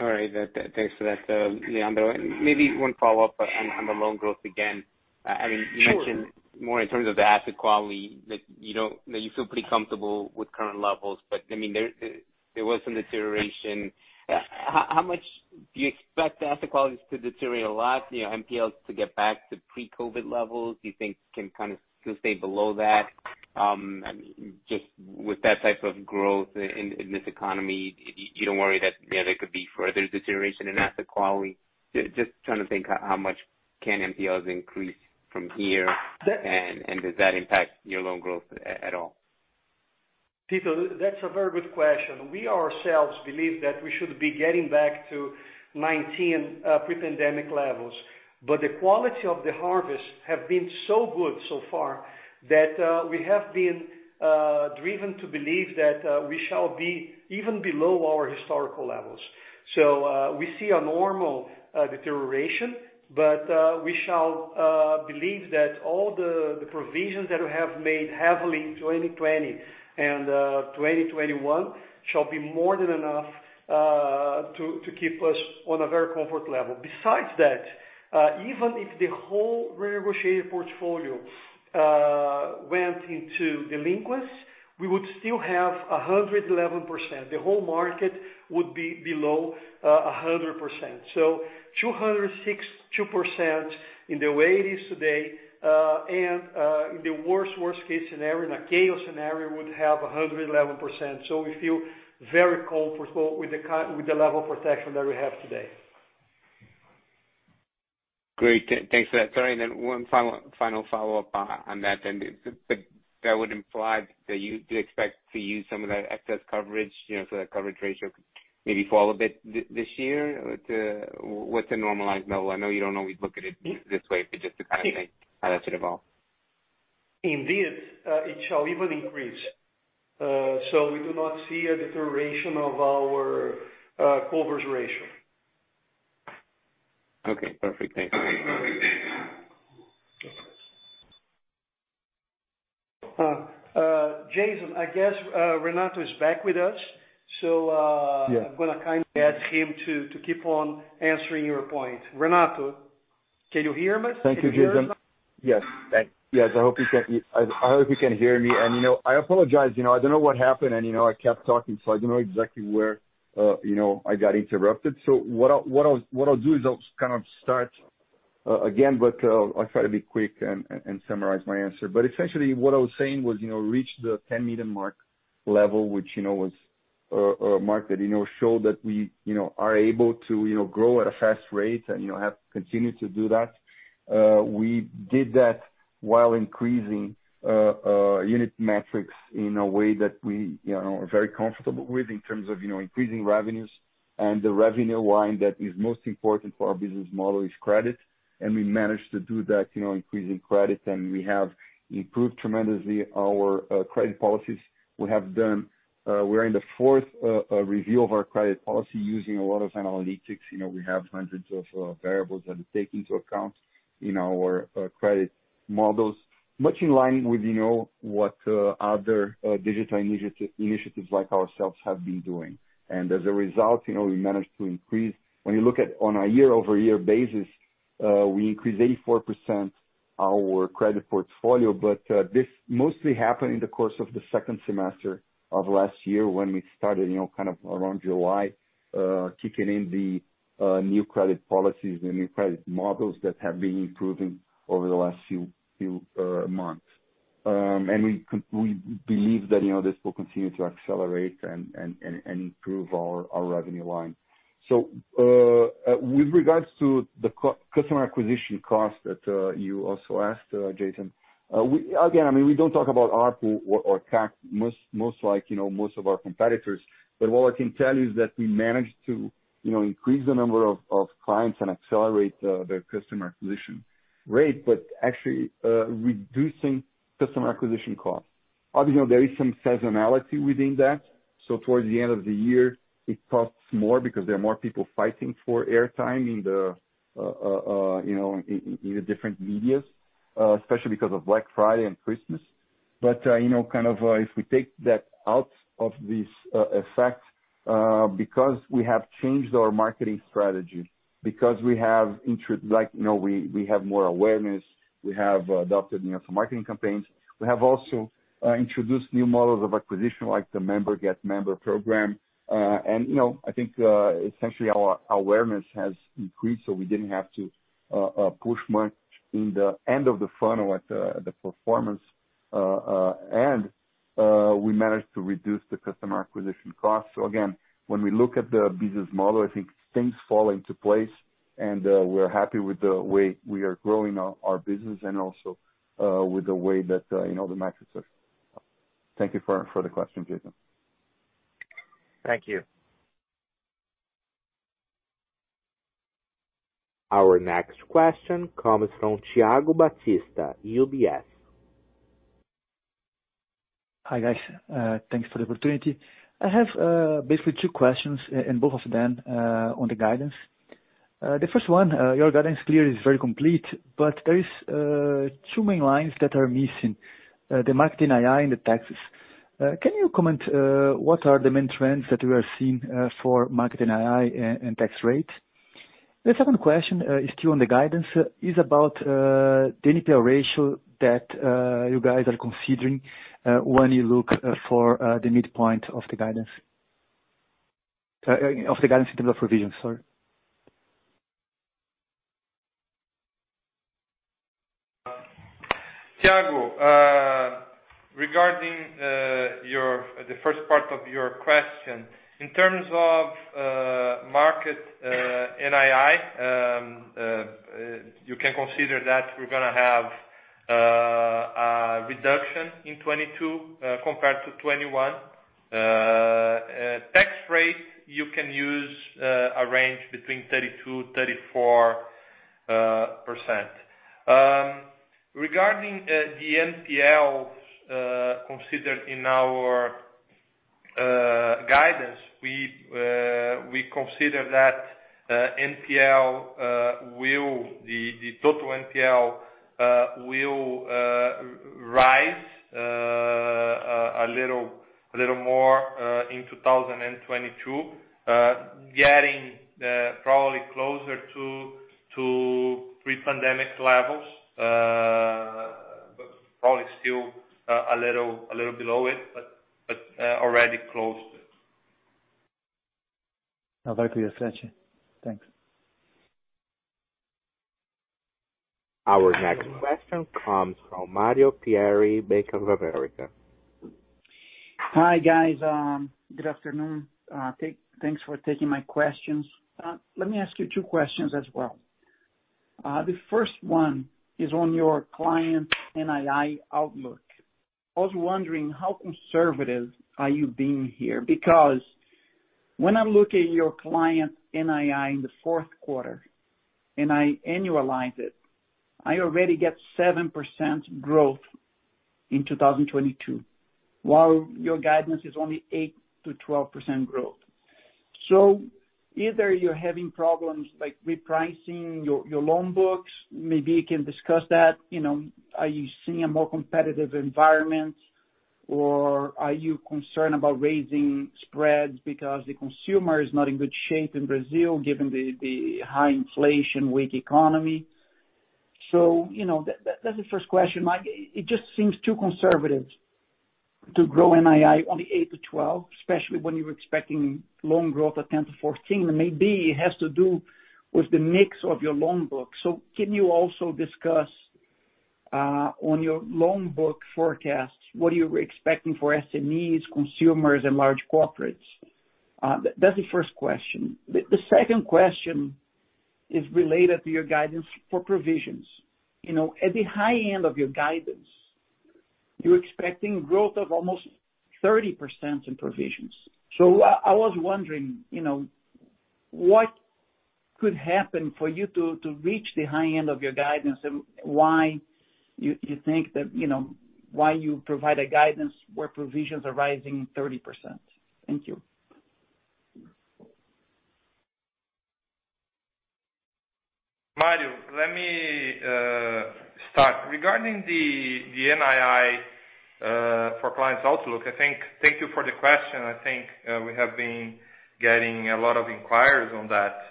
All right. Thanks for that, Leandro. Maybe one follow-up on the loan growth again. I mean- Sure. You mentioned more in terms of the asset quality that you feel pretty comfortable with current levels, but I mean, there was some deterioration. How much do you expect the asset quality to deteriorate a lot, you know, NPLs to get back to pre-COVID levels? Do you think they can kind of still stay below that? I mean, just with that type of growth in this economy, you don't worry that, you know, there could be further deterioration in asset quality? Just trying to think how much can NPLs increase from here? That's- Does that impact your loan growth at all? Tito, that's a very good question. We ourselves believe that we should be getting back to 2019 pre-pandemic levels. The quality of the harvest have been so good so far that we have been driven to believe that we shall be even below our historical levels. We see a normal deterioration, but we shall believe that all the provisions that we have made heavily in 2020 and 2021 shall be more than enough to keep us on a very comfortable level. Besides that, even if the whole renegotiated portfolio went into delinquency, we would still have 111%. The whole market would be below 100%. 206.2% in the way it is today, and the worst-case scenario, in a chaos scenario, would have 111%. We feel very comfortable with the level of protection that we have today. Great. Thanks for that. Sorry, one final follow-up on that. That would imply that you do expect to use some of that excess coverage, you know, so that coverage ratio could maybe fall a bit this year to what's a normalized level? I know you don't always look at it this way, but just to kind of think how that should evolve. Indeed, it shall even increase. We do not see a deterioration of our coverage ratio. Okay, perfect. Thank you. Jason, I guess Renato is back with us, so Yeah. I'm gonna kindly ask him to keep on answering your point. Renato, can you hear me? Can you hear us? Thank you, Jason. Yes. I hope you can hear me. You know, I apologize. You know, I don't know what happened and, you know, I kept talking, so I don't know exactly where, you know, I got interrupted. What I'll do is I'll kind of start again, but I'll try to be quick and summarize my answer. Essentially what I was saying was, you know, reach the 10 million mark level, which you know, was a mark that, you know, showed that we, you know, are able to, you know, grow at a fast rate and, you know, have continued to do that. We did that while increasing unit metrics in a way that we, you know, are very comfortable with in terms of, you know, increasing revenues. The revenue line that is most important for our business model is credit, and we managed to do that, you know, increasing credit, and we have improved tremendously our credit policies. We're in the fourth review of our credit policy using a lot of analytics. You know, we have hundreds of variables that we take into account in our credit models, much in line with, you know, what other digital initiatives like ourselves have been doing. As a result, you know, we managed to increase. When you look at on a year-over-year basis, we increased 84% our credit portfolio. This mostly happened in the course of the second semester of last year when we started, you know, kind of around July, kicking in the new credit policies and new credit models that have been improving over the last few months. We believe that, you know, this will continue to accelerate and improve our revenue line. With regards to the customer acquisition cost that you also asked, Jason, we, again, I mean, we don't talk about ARPU or CAC most, like, you know, most of our competitors. But what I can tell you is that we managed to, you know, increase the number of clients and accelerate the customer acquisition rate, but actually reducing customer acquisition costs. Obviously, there is some seasonality within that, so towards the end of the year, it costs more because there are more people fighting for airtime in the, you know, in the different media, especially because of Black Friday and Christmas. You know, kind of, if we take that out of this effect, because we have changed our marketing strategy, because we have Like, you know, we have more awareness, we have adopted, you know, some marketing campaigns. We have also introduced new models of acquisition like the member get member program. You know, I think essentially our awareness has increased, so we didn't have to push much in the end of the funnel at the performance. We managed to reduce the customer acquisition costs. Again, when we look at the business model, I think things fall into place and we're happy with the way we are growing our business and also with the way that you know the metrics are. Thank you for the question, Jason. Thank you. Our next question comes from Thiago Batista, UBS. Hi, guys. Thanks for the opportunity. I have basically two questions and both of them on the guidance. The first one, your guidance clearly is very complete, but there are two main lines that are missing, the Market NII and the taxes. Can you comment what are the main trends that you are seeing for Market NII and tax rates? The second question is still on the guidance, is about the NPL ratio that you guys are considering when you look for the midpoint of the guidance in terms of provision, sorry. Tiago, regarding the first part of your question. In terms of market NII, you can consider that we're gonna have a reduction in 2022 compared to 2021. Tax rate, you can use a range between 32-34%. Regarding the NPLs considered in our guidance, we consider that the total NPL will rise a little more in 2022, getting probably closer to pre-pandemic levels, but probably still a little below it, but already close. Thanks. Our next question comes from Mario Pierry, Bank of America. Hi, guys. Good afternoon. Thanks for taking my questions. Let me ask you two questions as well. The first one is on your Client NII outlook. I was wondering how conservative are you being here? Because when I look at your Client NII in the fourth quarter, and I annualize it, I already get 7% growth in 2022, while your guidance is only 8%-12% growth. Either you're having problems like repricing your loan books, maybe you can discuss that, you know. Are you seeing a more competitive environment, or are you concerned about raising spreads because the consumer is not in good shape in Brazil, given the high inflation, weak economy? You know, that's the first question. Like, it just seems too conservative to grow NII only 8%-12%, especially when you're expecting loan growth of 10%-14%. Maybe it has to do with the mix of your loan book. Can you also discuss on your loan book forecasts, what are you expecting for SMEs, consumers, and large corporates? That's the first question. The second question is related to your guidance for provisions. You know, at the high end of your guidance, you're expecting growth of almost 30% in provisions. I was wondering, you know, what could happen for you to reach the high end of your guidance, and why you think that, you know, why you provide a guidance where provisions are rising 30%? Thank you. Mario, let me start. Regarding the NII for clients outlook, I think, thank you for the question. I think we have been getting a lot of inquiries on that.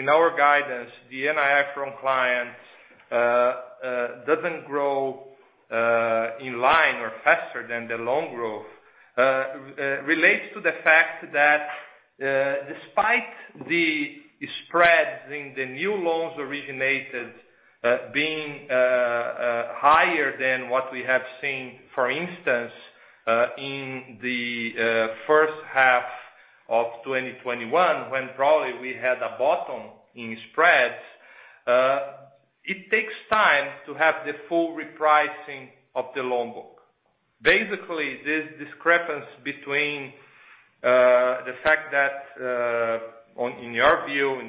In our guidance, the NII from clients doesn't grow in line or faster than the loan growth relates to the fact that, despite the spreads in the new loans originated being higher than what we have seen, for instance, in the H1 of 2021, when probably we had a bottom in spreads, it takes time to have the full repricing of the loan book. Basically, this discrepancy between the fact that in your view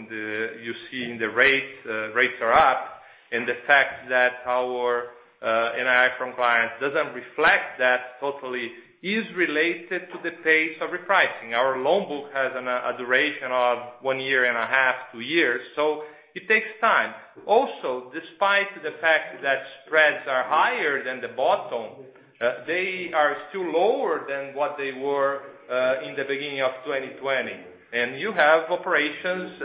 you see in the rates rates are up, and the fact that our NII from clients doesn't reflect that totally is related to the pace of repricing. Our loan book has a duration of one year and a half, two years, so it takes time. Also, despite the fact that spreads are higher than the bottom, they are still lower than what they were in the beginning of 2020. You have operations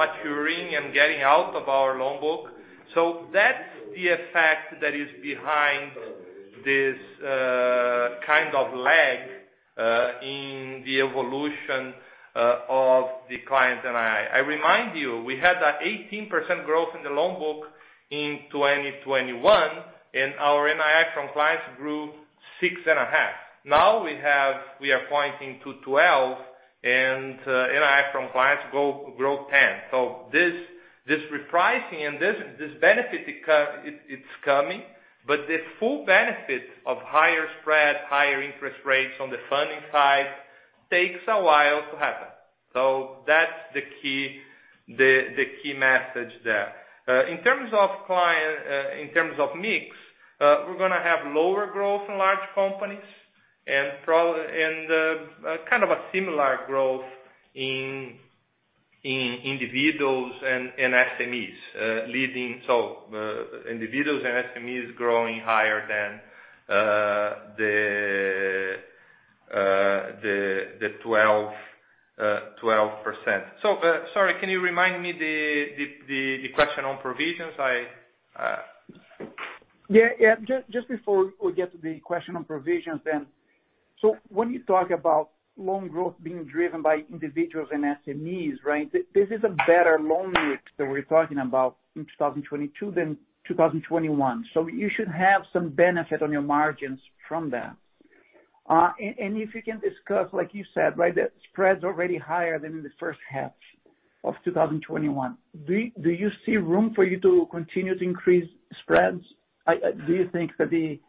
maturing and getting out of our loan book. So that's the effect that is behind this kind of lag in the evolution of the client NII. I remind you, we had that 18% growth in the loan book in 2021, and our NII from clients grew 6.5%. We are pointing to 12, and NII from clients grow 10. This repricing and this benefit, it's coming, but the full benefit of higher spread, higher interest rates on the funding side takes a while to happen. That's the key message there. In terms of client mix, we're gonna have lower growth in large companies and probably kind of a similar growth in individuals and SMEs leading. Individuals and SMEs growing higher than the 12%. Sorry, can you remind me the question on provisions? I Yeah. Just before we get to the question on provisions then. When you talk about loan growth being driven by individuals and SMEs, right? This is a better loan mix that we're talking about in 2022 than 2021. You should have some benefit on your margins from that. If you can discuss, like you said, right, the spread's already higher than in the H1 of 2021. Do you see room for you to continue to increase spreads? Do you think that the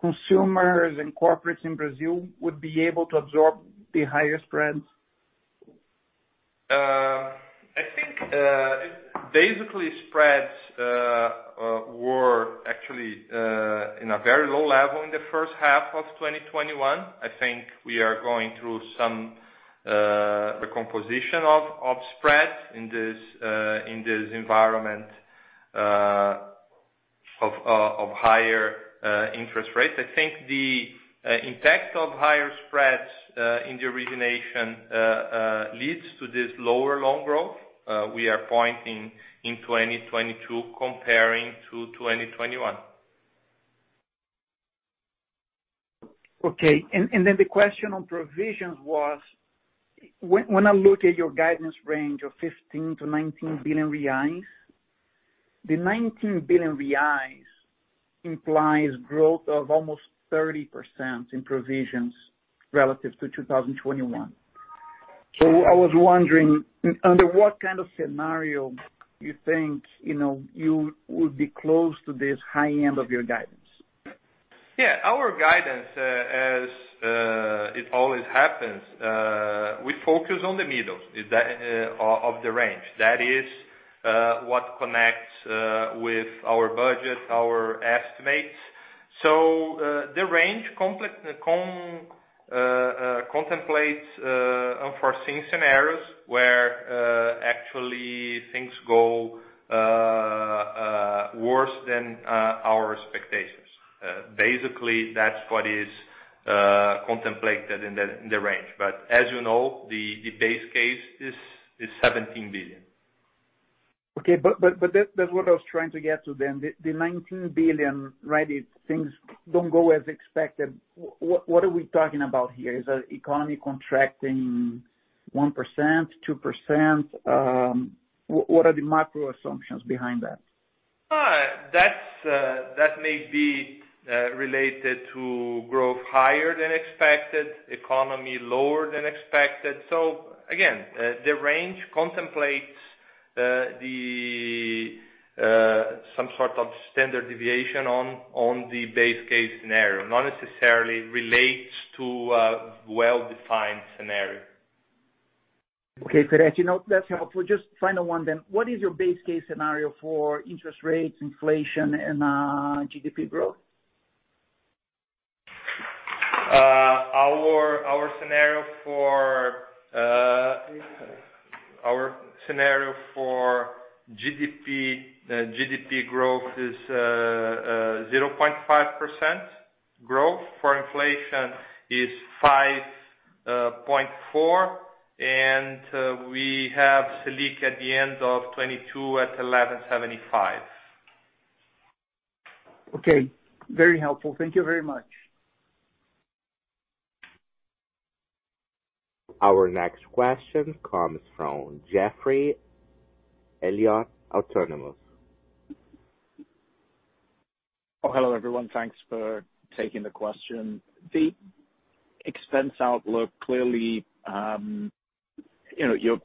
consumers and corporates in Brazil would be able to absorb the higher spreads? I think, basically spreads were actually in a very low level in the H1 of 2021. I think we are going through the composition of spreads in this environment of higher interest rates. I think the impact of higher spreads in the origination leads to this lower loan growth we are pointing in 2022 comparing to 2021. The question on provisions was, when I look at your guidance range of 15 billion-19 billion reais, the 19 billion reais implies growth of almost 30% in provisions relative to 2021. I was wondering, under what kind of scenario you think, you know, you would be close to this high end of your guidance? Our guidance, as it always happens, we focus on the middle of the range. That is, what connects with our budget, our estimates. The range contemplates unforeseen scenarios where actually things go worse than our expectations. Basically, that's what is contemplated in the range. As you know, the base case is 17 billion. Okay. That's what I was trying to get to then. The 19 billion, right, if things don't go as expected, what are we talking about here? Is the economy contracting 1%, 2%? What are the macro assumptions behind that? That may be related to growth higher than expected, economy lower than expected. Again, the range contemplates some sort of standard deviation on the base case scenario. Not necessarily relates to a well-defined scenario. Okay, Firetti. You know, that's helpful. Just final one then. What is your base case scenario for interest rates, inflation and GDP growth? Our scenario for GDP growth is 0.5% growth. For inflation is 5.4%. We have Selic at the end of 2022 at 11.75%. Okay. Very helpful. Thank you very much. Our next question comes from Geoffrey Elliot, Autonomous. Oh, hello, everyone. Thanks for taking the question. The expense outlook, clearly, you know, you're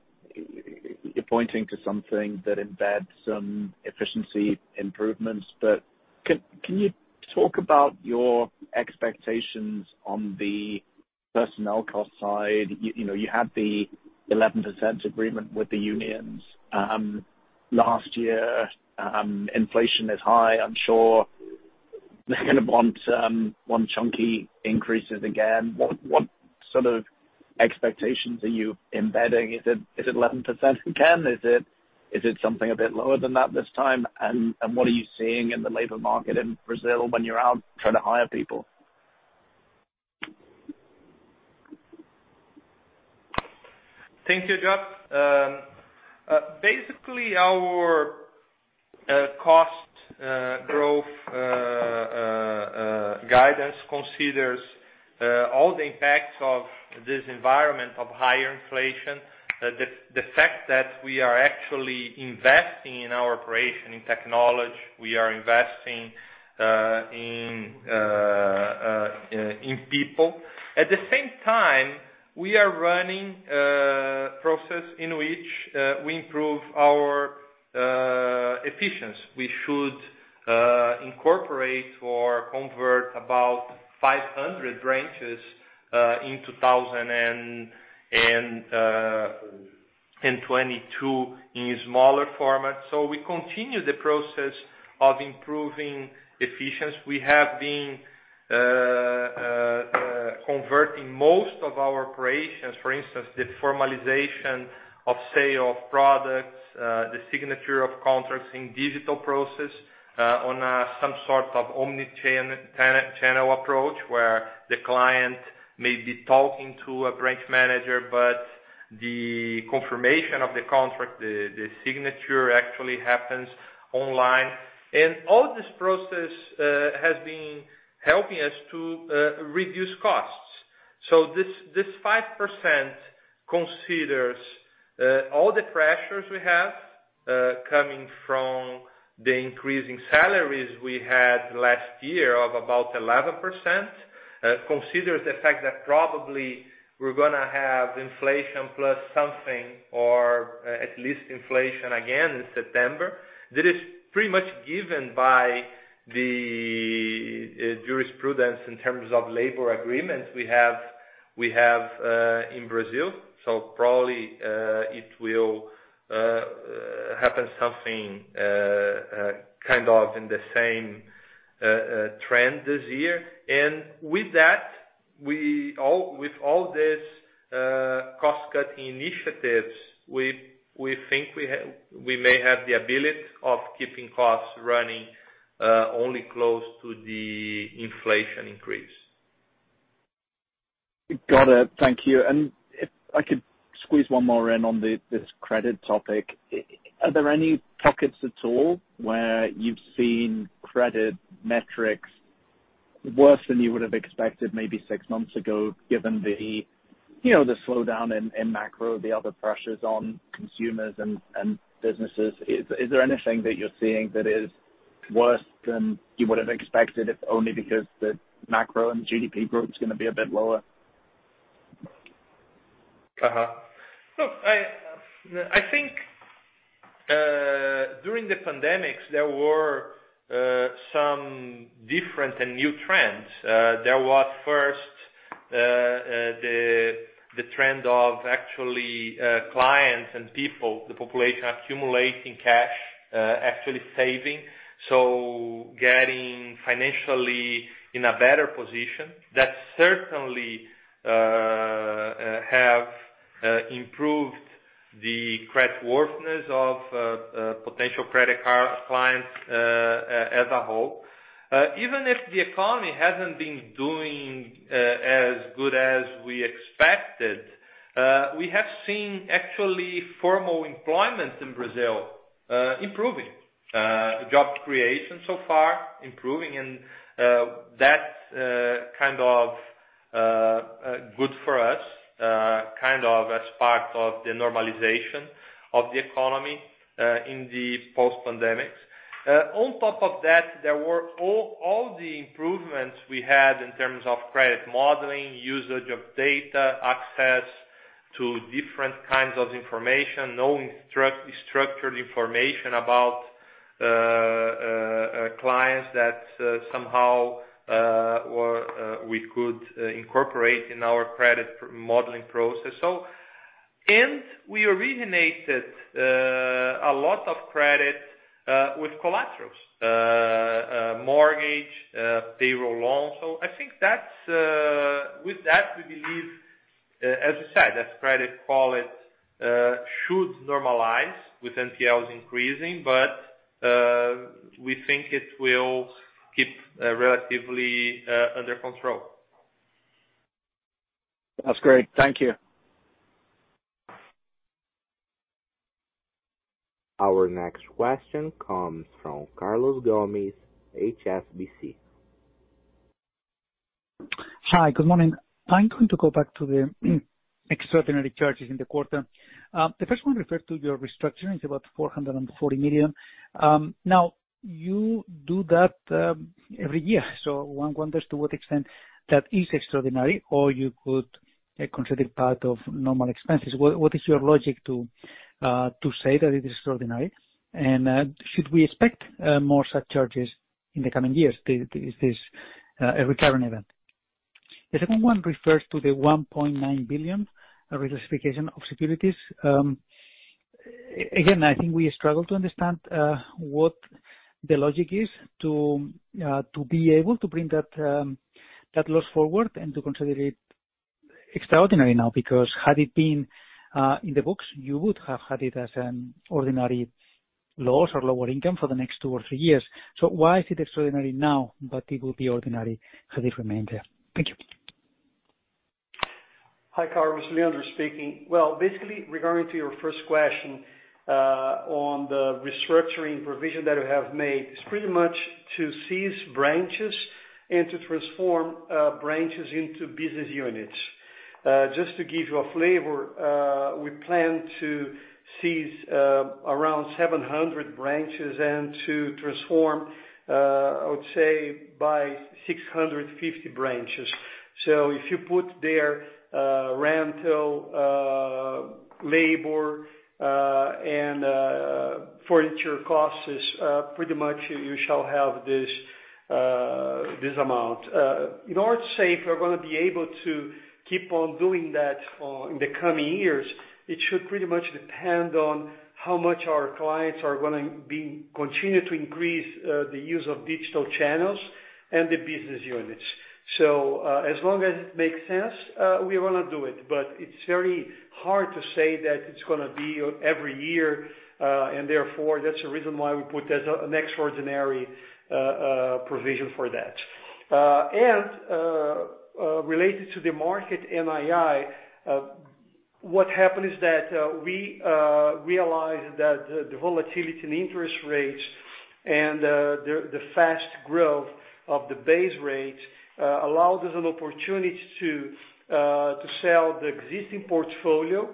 pointing to something that embeds some efficiency improvements. But can you talk about your expectations on the personnel cost side? You know, you had the 11% agreement with the unions last year. Inflation is high, I'm sure they're gonna want chunky increases again. What sort of expectations are you embedding? Is it 11% again? Is it something a bit lower than that this time? And what are you seeing in the labor market in Brazil when you're out trying to hire people? Thank you, Geoffrey Elliot. Basically, our cost growth guidance considers all the impacts of this environment of higher inflation. The fact that we are actually investing in our operation, in technology, we are investing in people. At the same time, we are running a process in which we improve our efficiency. We should incorporate or convert about 500 branches in 2022 in smaller formats. We continue the process of improving efficiency. We have been converting most of our operations. For instance, the formalization of sale of products, the signature of contracts in digital process, on some sort of omnichannel approach, where the client may be talking to a branch manager, but the confirmation of the contract, the signature actually happens online. All this process has been helping us to reduce costs. This 5% considers all the pressures we have coming from the increasing salaries we had last year of about 11%. Consider the fact that probably we're gonna have inflation plus something or at least inflation again in September. That is pretty much given by the jurisprudence in terms of labor agreements we have in Brazil. Probably it will happened something kind of in the same trend this year. With that, with all this cost-cutting initiatives, we think we may have the ability of keeping costs running only close to the inflation increase. Got it. Thank you. If I could squeeze one more in on this credit topic. Are there any pockets at all where you've seen credit metrics worse than you would have expected maybe six months ago, given the, you know, the slowdown in macro, the other pressures on consumers and businesses? Is there anything that you're seeing that is worse than you would have expected if only because the macro and GDP growth is gonna be a bit lower? Look, I think during the pandemic, there were some different and new trends. There was first the trend of actually clients and people, the population accumulating cash actually saving, so getting financially in a better position. That certainly have improved the creditworthiness of potential credit card clients as a whole. Even if the economy hasn't been doing as good as we expected, we have seen actually formal employment in Brazil improving, job creation so far improving and that's kind of good for us kind of as part of the normalization of the economy in the post-pandemic. On top of that, there were all the improvements we had in terms of credit modeling, usage of data, access to different kinds of information, knowing structured information about clients that somehow we could incorporate in our credit modeling process. We originated a lot of credit with collaterals, mortgage, payroll loans. I think that's with that, we believe, as you said, as credit quality should normalize with NPLs increasing, but we think it will keep relatively under control. That's great. Thank you. Our next question comes from Carlos Gomez, HSBC. Hi. Good morning. I'm going to go back to the extraordinary charges in the quarter. The first one referred to your restructuring is about 440 million. Now you do that every year, so one wonders to what extent that is extraordinary or you could consider it part of normal expenses. What is your logic to say that it is extraordinary? Should we expect more such charges in the coming years? Is this a recurring event? The second one refers to the 1.9 billion reclassification of securities. Again, I think we struggle to understand what the logic is to be able to bring that loss forward and to consider it extraordinary now, because had it been in the books, you would have had it as an ordinary loss or lower income for the next two or three years. Why is it extraordinary now, but it would be ordinary had it remained there? Thank you. Hi, Carlos. Leandro speaking. Well, basically, regarding to your first question, on the restructuring provision that we have made, it's pretty much to cease branches and to transform branches into business units. Just to give you a flavor, we plan to cease around 700 branches and to transform, I would say, by 650 branches. So if you put their rental, labor, and furniture costs is pretty much you shall have this this amount. In order to say if we're gonna be able to keep on doing that for the coming years, it should pretty much depend on how much our clients are gonna continue to increase the use of digital channels and the business units. As long as it makes sense, we wanna do it, but it's very hard to say that it's gonna be every year, and therefore, that's the reason why we put as an extraordinary provision for that. Related to the Market NII, what happened is that we realized that the volatility in interest rates and the fast growth of the base rates allowed us an opportunity to sell the existing portfolio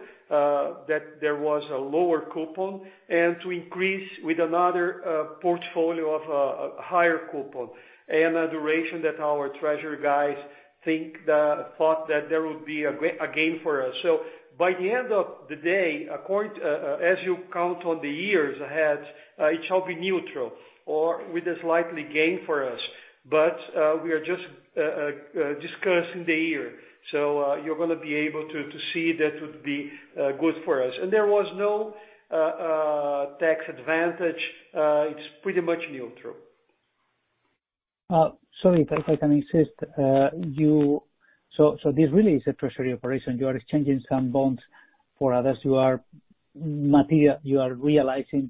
that there was a lower coupon and to increase with another portfolio of a higher coupon and a duration that our treasury guys thought that there would be a gain for us. By the end of the day, according as you count on the years ahead, it shall be neutral or with a slight gain for us. We are just discussing the year. You're gonna be able to see that would be good for us. There was no tax advantage. It's pretty much neutral. Sorry, if I can insist, this really is a treasury operation. You are exchanging some bonds for others. You are, Matheus, you are realizing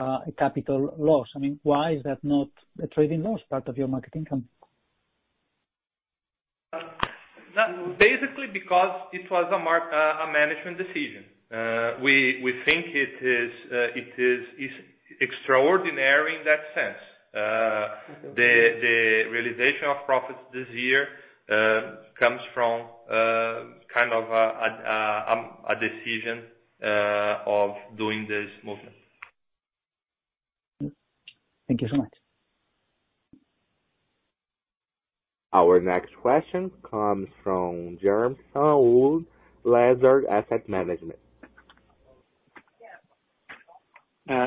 a capital loss. I mean, why is that not a trading loss, part of your market income? That's basically because it was a management decision. We think it is extraordinary in that sense. Mm-hmm. The realization of profits this year comes from kind of a decision of doing this movement. Thank you so much. Our next question comes from James Saul, Lazard Asset Management.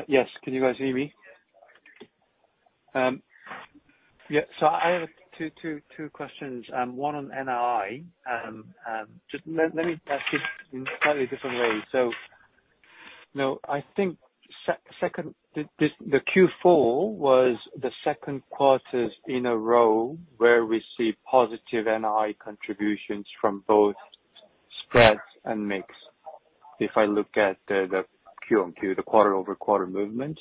Yes. Can you guys hear me? Yeah, so I have two questions, one on NII. Just let me ask it in slightly different way. You know, I think the Q4 was the second quarter in a row where we see positive NII contributions from both spreads and mix, if I look at the Q-on-Q, the quarter-over-quarter movement.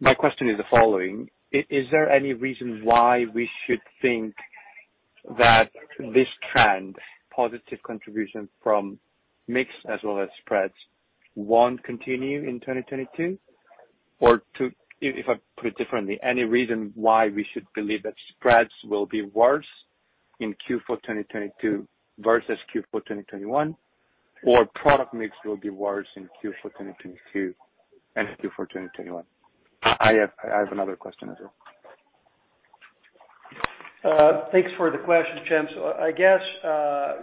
My question is the following. Is there any reason why we should think that this trend, positive contribution from mix as well as spreads, won't continue in 2022? Or too. If I put it differently, any reason why we should believe that spreads will be worse in Q4 2022 versus Q4 2021, or product mix will be worse in Q4 2022 than Q4 2021? I have another question as well. Thanks for the question, James. I guess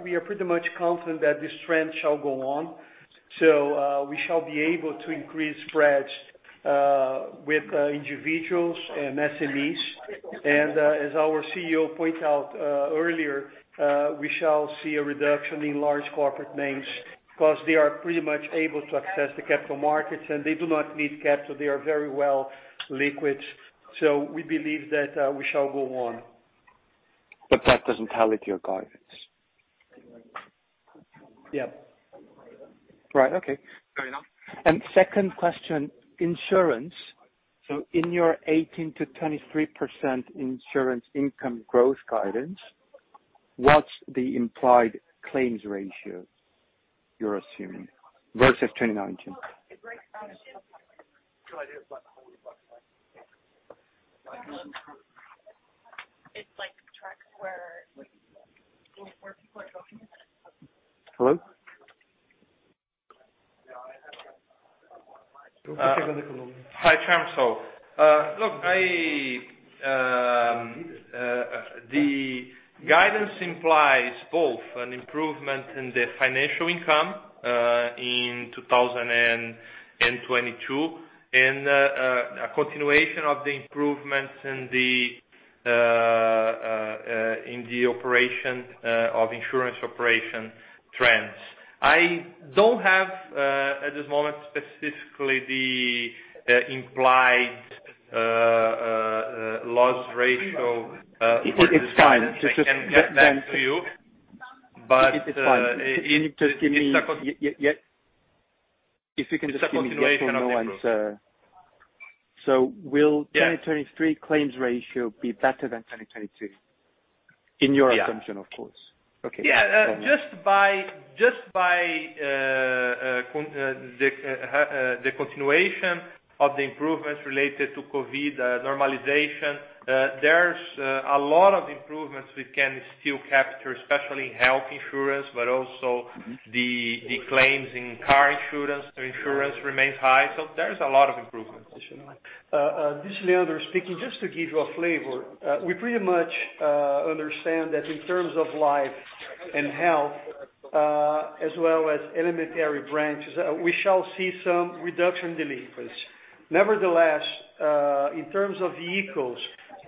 we are pretty much confident that this trend shall go on, so we shall be able to increase spreads with individuals and SMEs. As our CEO pointed out earlier, we shall see a reduction in large corporate names because they are pretty much able to access the capital markets, and they do not need capital. They are very well liquid. We believe that we shall go on. That doesn't tally to your guidance. Yeah. Right. Okay. Fair enough. Second question, insurance. In your 18%-23% insurance income growth guidance, what's the implied claims ratio you're assuming versus 2019? Hello? Hi, James. Look, the guidance implies both an improvement in the financial income in 2022 and a continuation of the improvements in the operation of insurance operation trends. I don't have at this moment specifically the implied loss ratio. It's fine. Just I can get back to you. It's fine. Just give me- It's a con- Yeah. If you can just give me a yes or no answer. It's a continuation of the growth. So will- Yeah. Will the 2023 claims ratio be better than 2022? In your- Yeah. An assumption, of course. Okay. Yeah. Just by the continuation of the improvements related to COVID normalization, there's a lot of improvements we can still capture, especially in health insurance but also- Mm-hmm. The claims in car insurance remains high. There's a lot of improvements. Sure. This is Leandro speaking. Just to give you a flavor, we pretty much understand that in terms of life and health, as well as elementary branches, we shall see some reduction in delinquencies. Nevertheless, in terms of vehicles,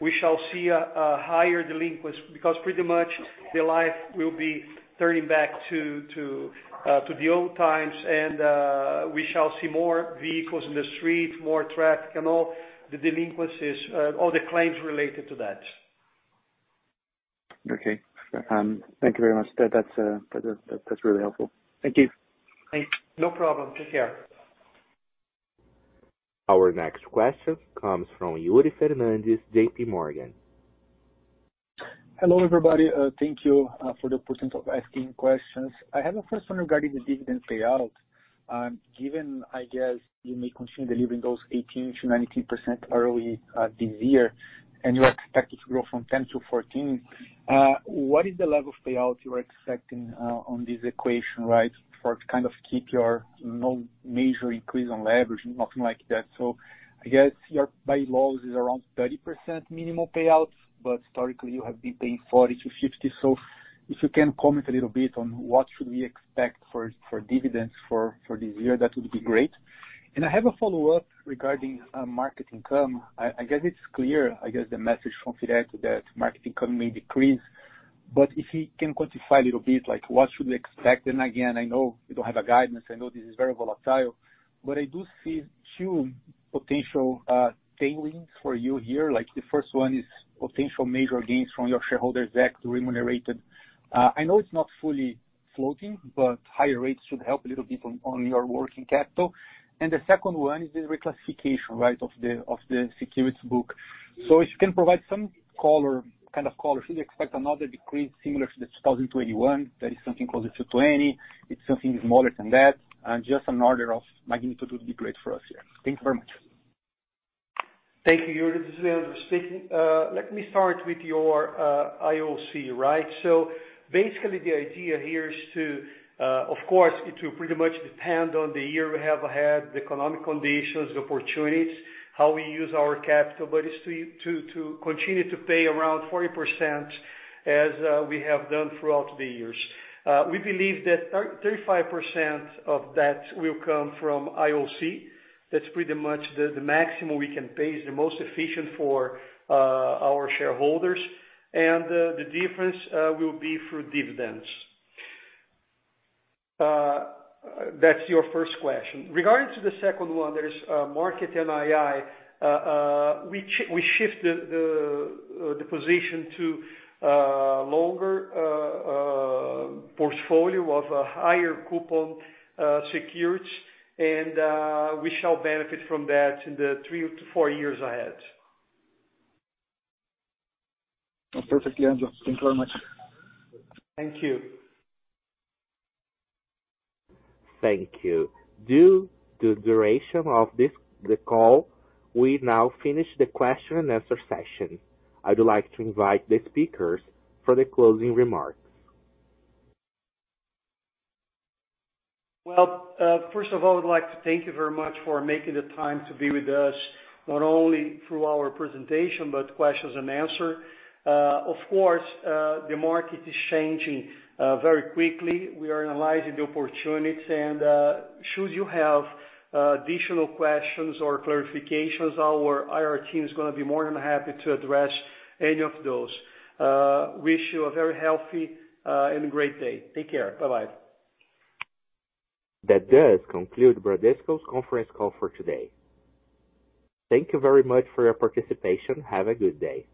we shall see a higher delinquencies because pretty much the life will be turning back to the old times and we shall see more vehicles in the street, more traffic and all, the delinquencies, all the claims related to that. Okay. Thank you very much. That's really helpful. Thank you. Thanks. No problem. Take care. Our next question comes from Yuri Fernandes, JPMorgan. Hello, everybody. Thank you for the opportunity of asking questions. I have a first one regarding the dividend payout. Given, I guess, you may continue delivering those 18%-19% early this year, and you are expected to grow from 10%-14%, what is the level of payouts you are expecting on this equation, right, for to kind of keep your no major increase on leverage, nothing like that? I guess your bylaws is around 30% minimum payouts, but historically you have been paying 40%-50%. If you can comment a little bit on what should we expect for dividends for this year, that would be great. I have a follow-up regarding market income. I guess it's clear, the message from Federico that market income may decrease. If you can quantify a little bit, like what should we expect? I know you don't have a guidance. I know this is very volatile, but I do see two potential tailwinds for you here. Like, the first one is potential major gains from your shareholders' debt remuneration. I know it's not fully floating, but higher rates should help a little bit on your working capital. The second one is the reclassification, right, of the securities book. If you can provide some color, should we expect another decrease similar to the 2021? That is something closer to 20. It's something smaller than that. Just an order of magnitude would be great for us here. Thank you very much. Thank you. This is Leandro speaking. Let me start with your JCP, right? Basically, the idea here is, of course, it will pretty much depend on the year we have ahead, the economic conditions, the opportunities, how we use our capital, but it's to continue to pay around 40% as we have done throughout the years. We believe that 35% of that will come from JCP. That's pretty much the maximum we can pay, is the most efficient for our shareholders. The difference will be through dividends. That's your first question. Regarding the second one, there is market NII. We shift the position to a longer portfolio of a higher coupon securities. We shall benefit from that in the three-four years ahead. Perfect, Leandro. Thank you very much. Thank you. Thank you. Due to duration of the call, we now finish the question-and-answer session. I would like to invite the speakers for the closing remarks. Well, first of all, I would like to thank you very much for making the time to be with us, not only through our presentation, but questions and answer. Of course, the market is changing very quickly. We are analyzing the opportunities and should you have additional questions or clarifications, our IR team is gonna be more than happy to address any of those. I wish you a very healthy and a great day. Take care. Bye-bye. That does conclude Bradesco's conference call for today. Thank you very much for your participation. Have a good day.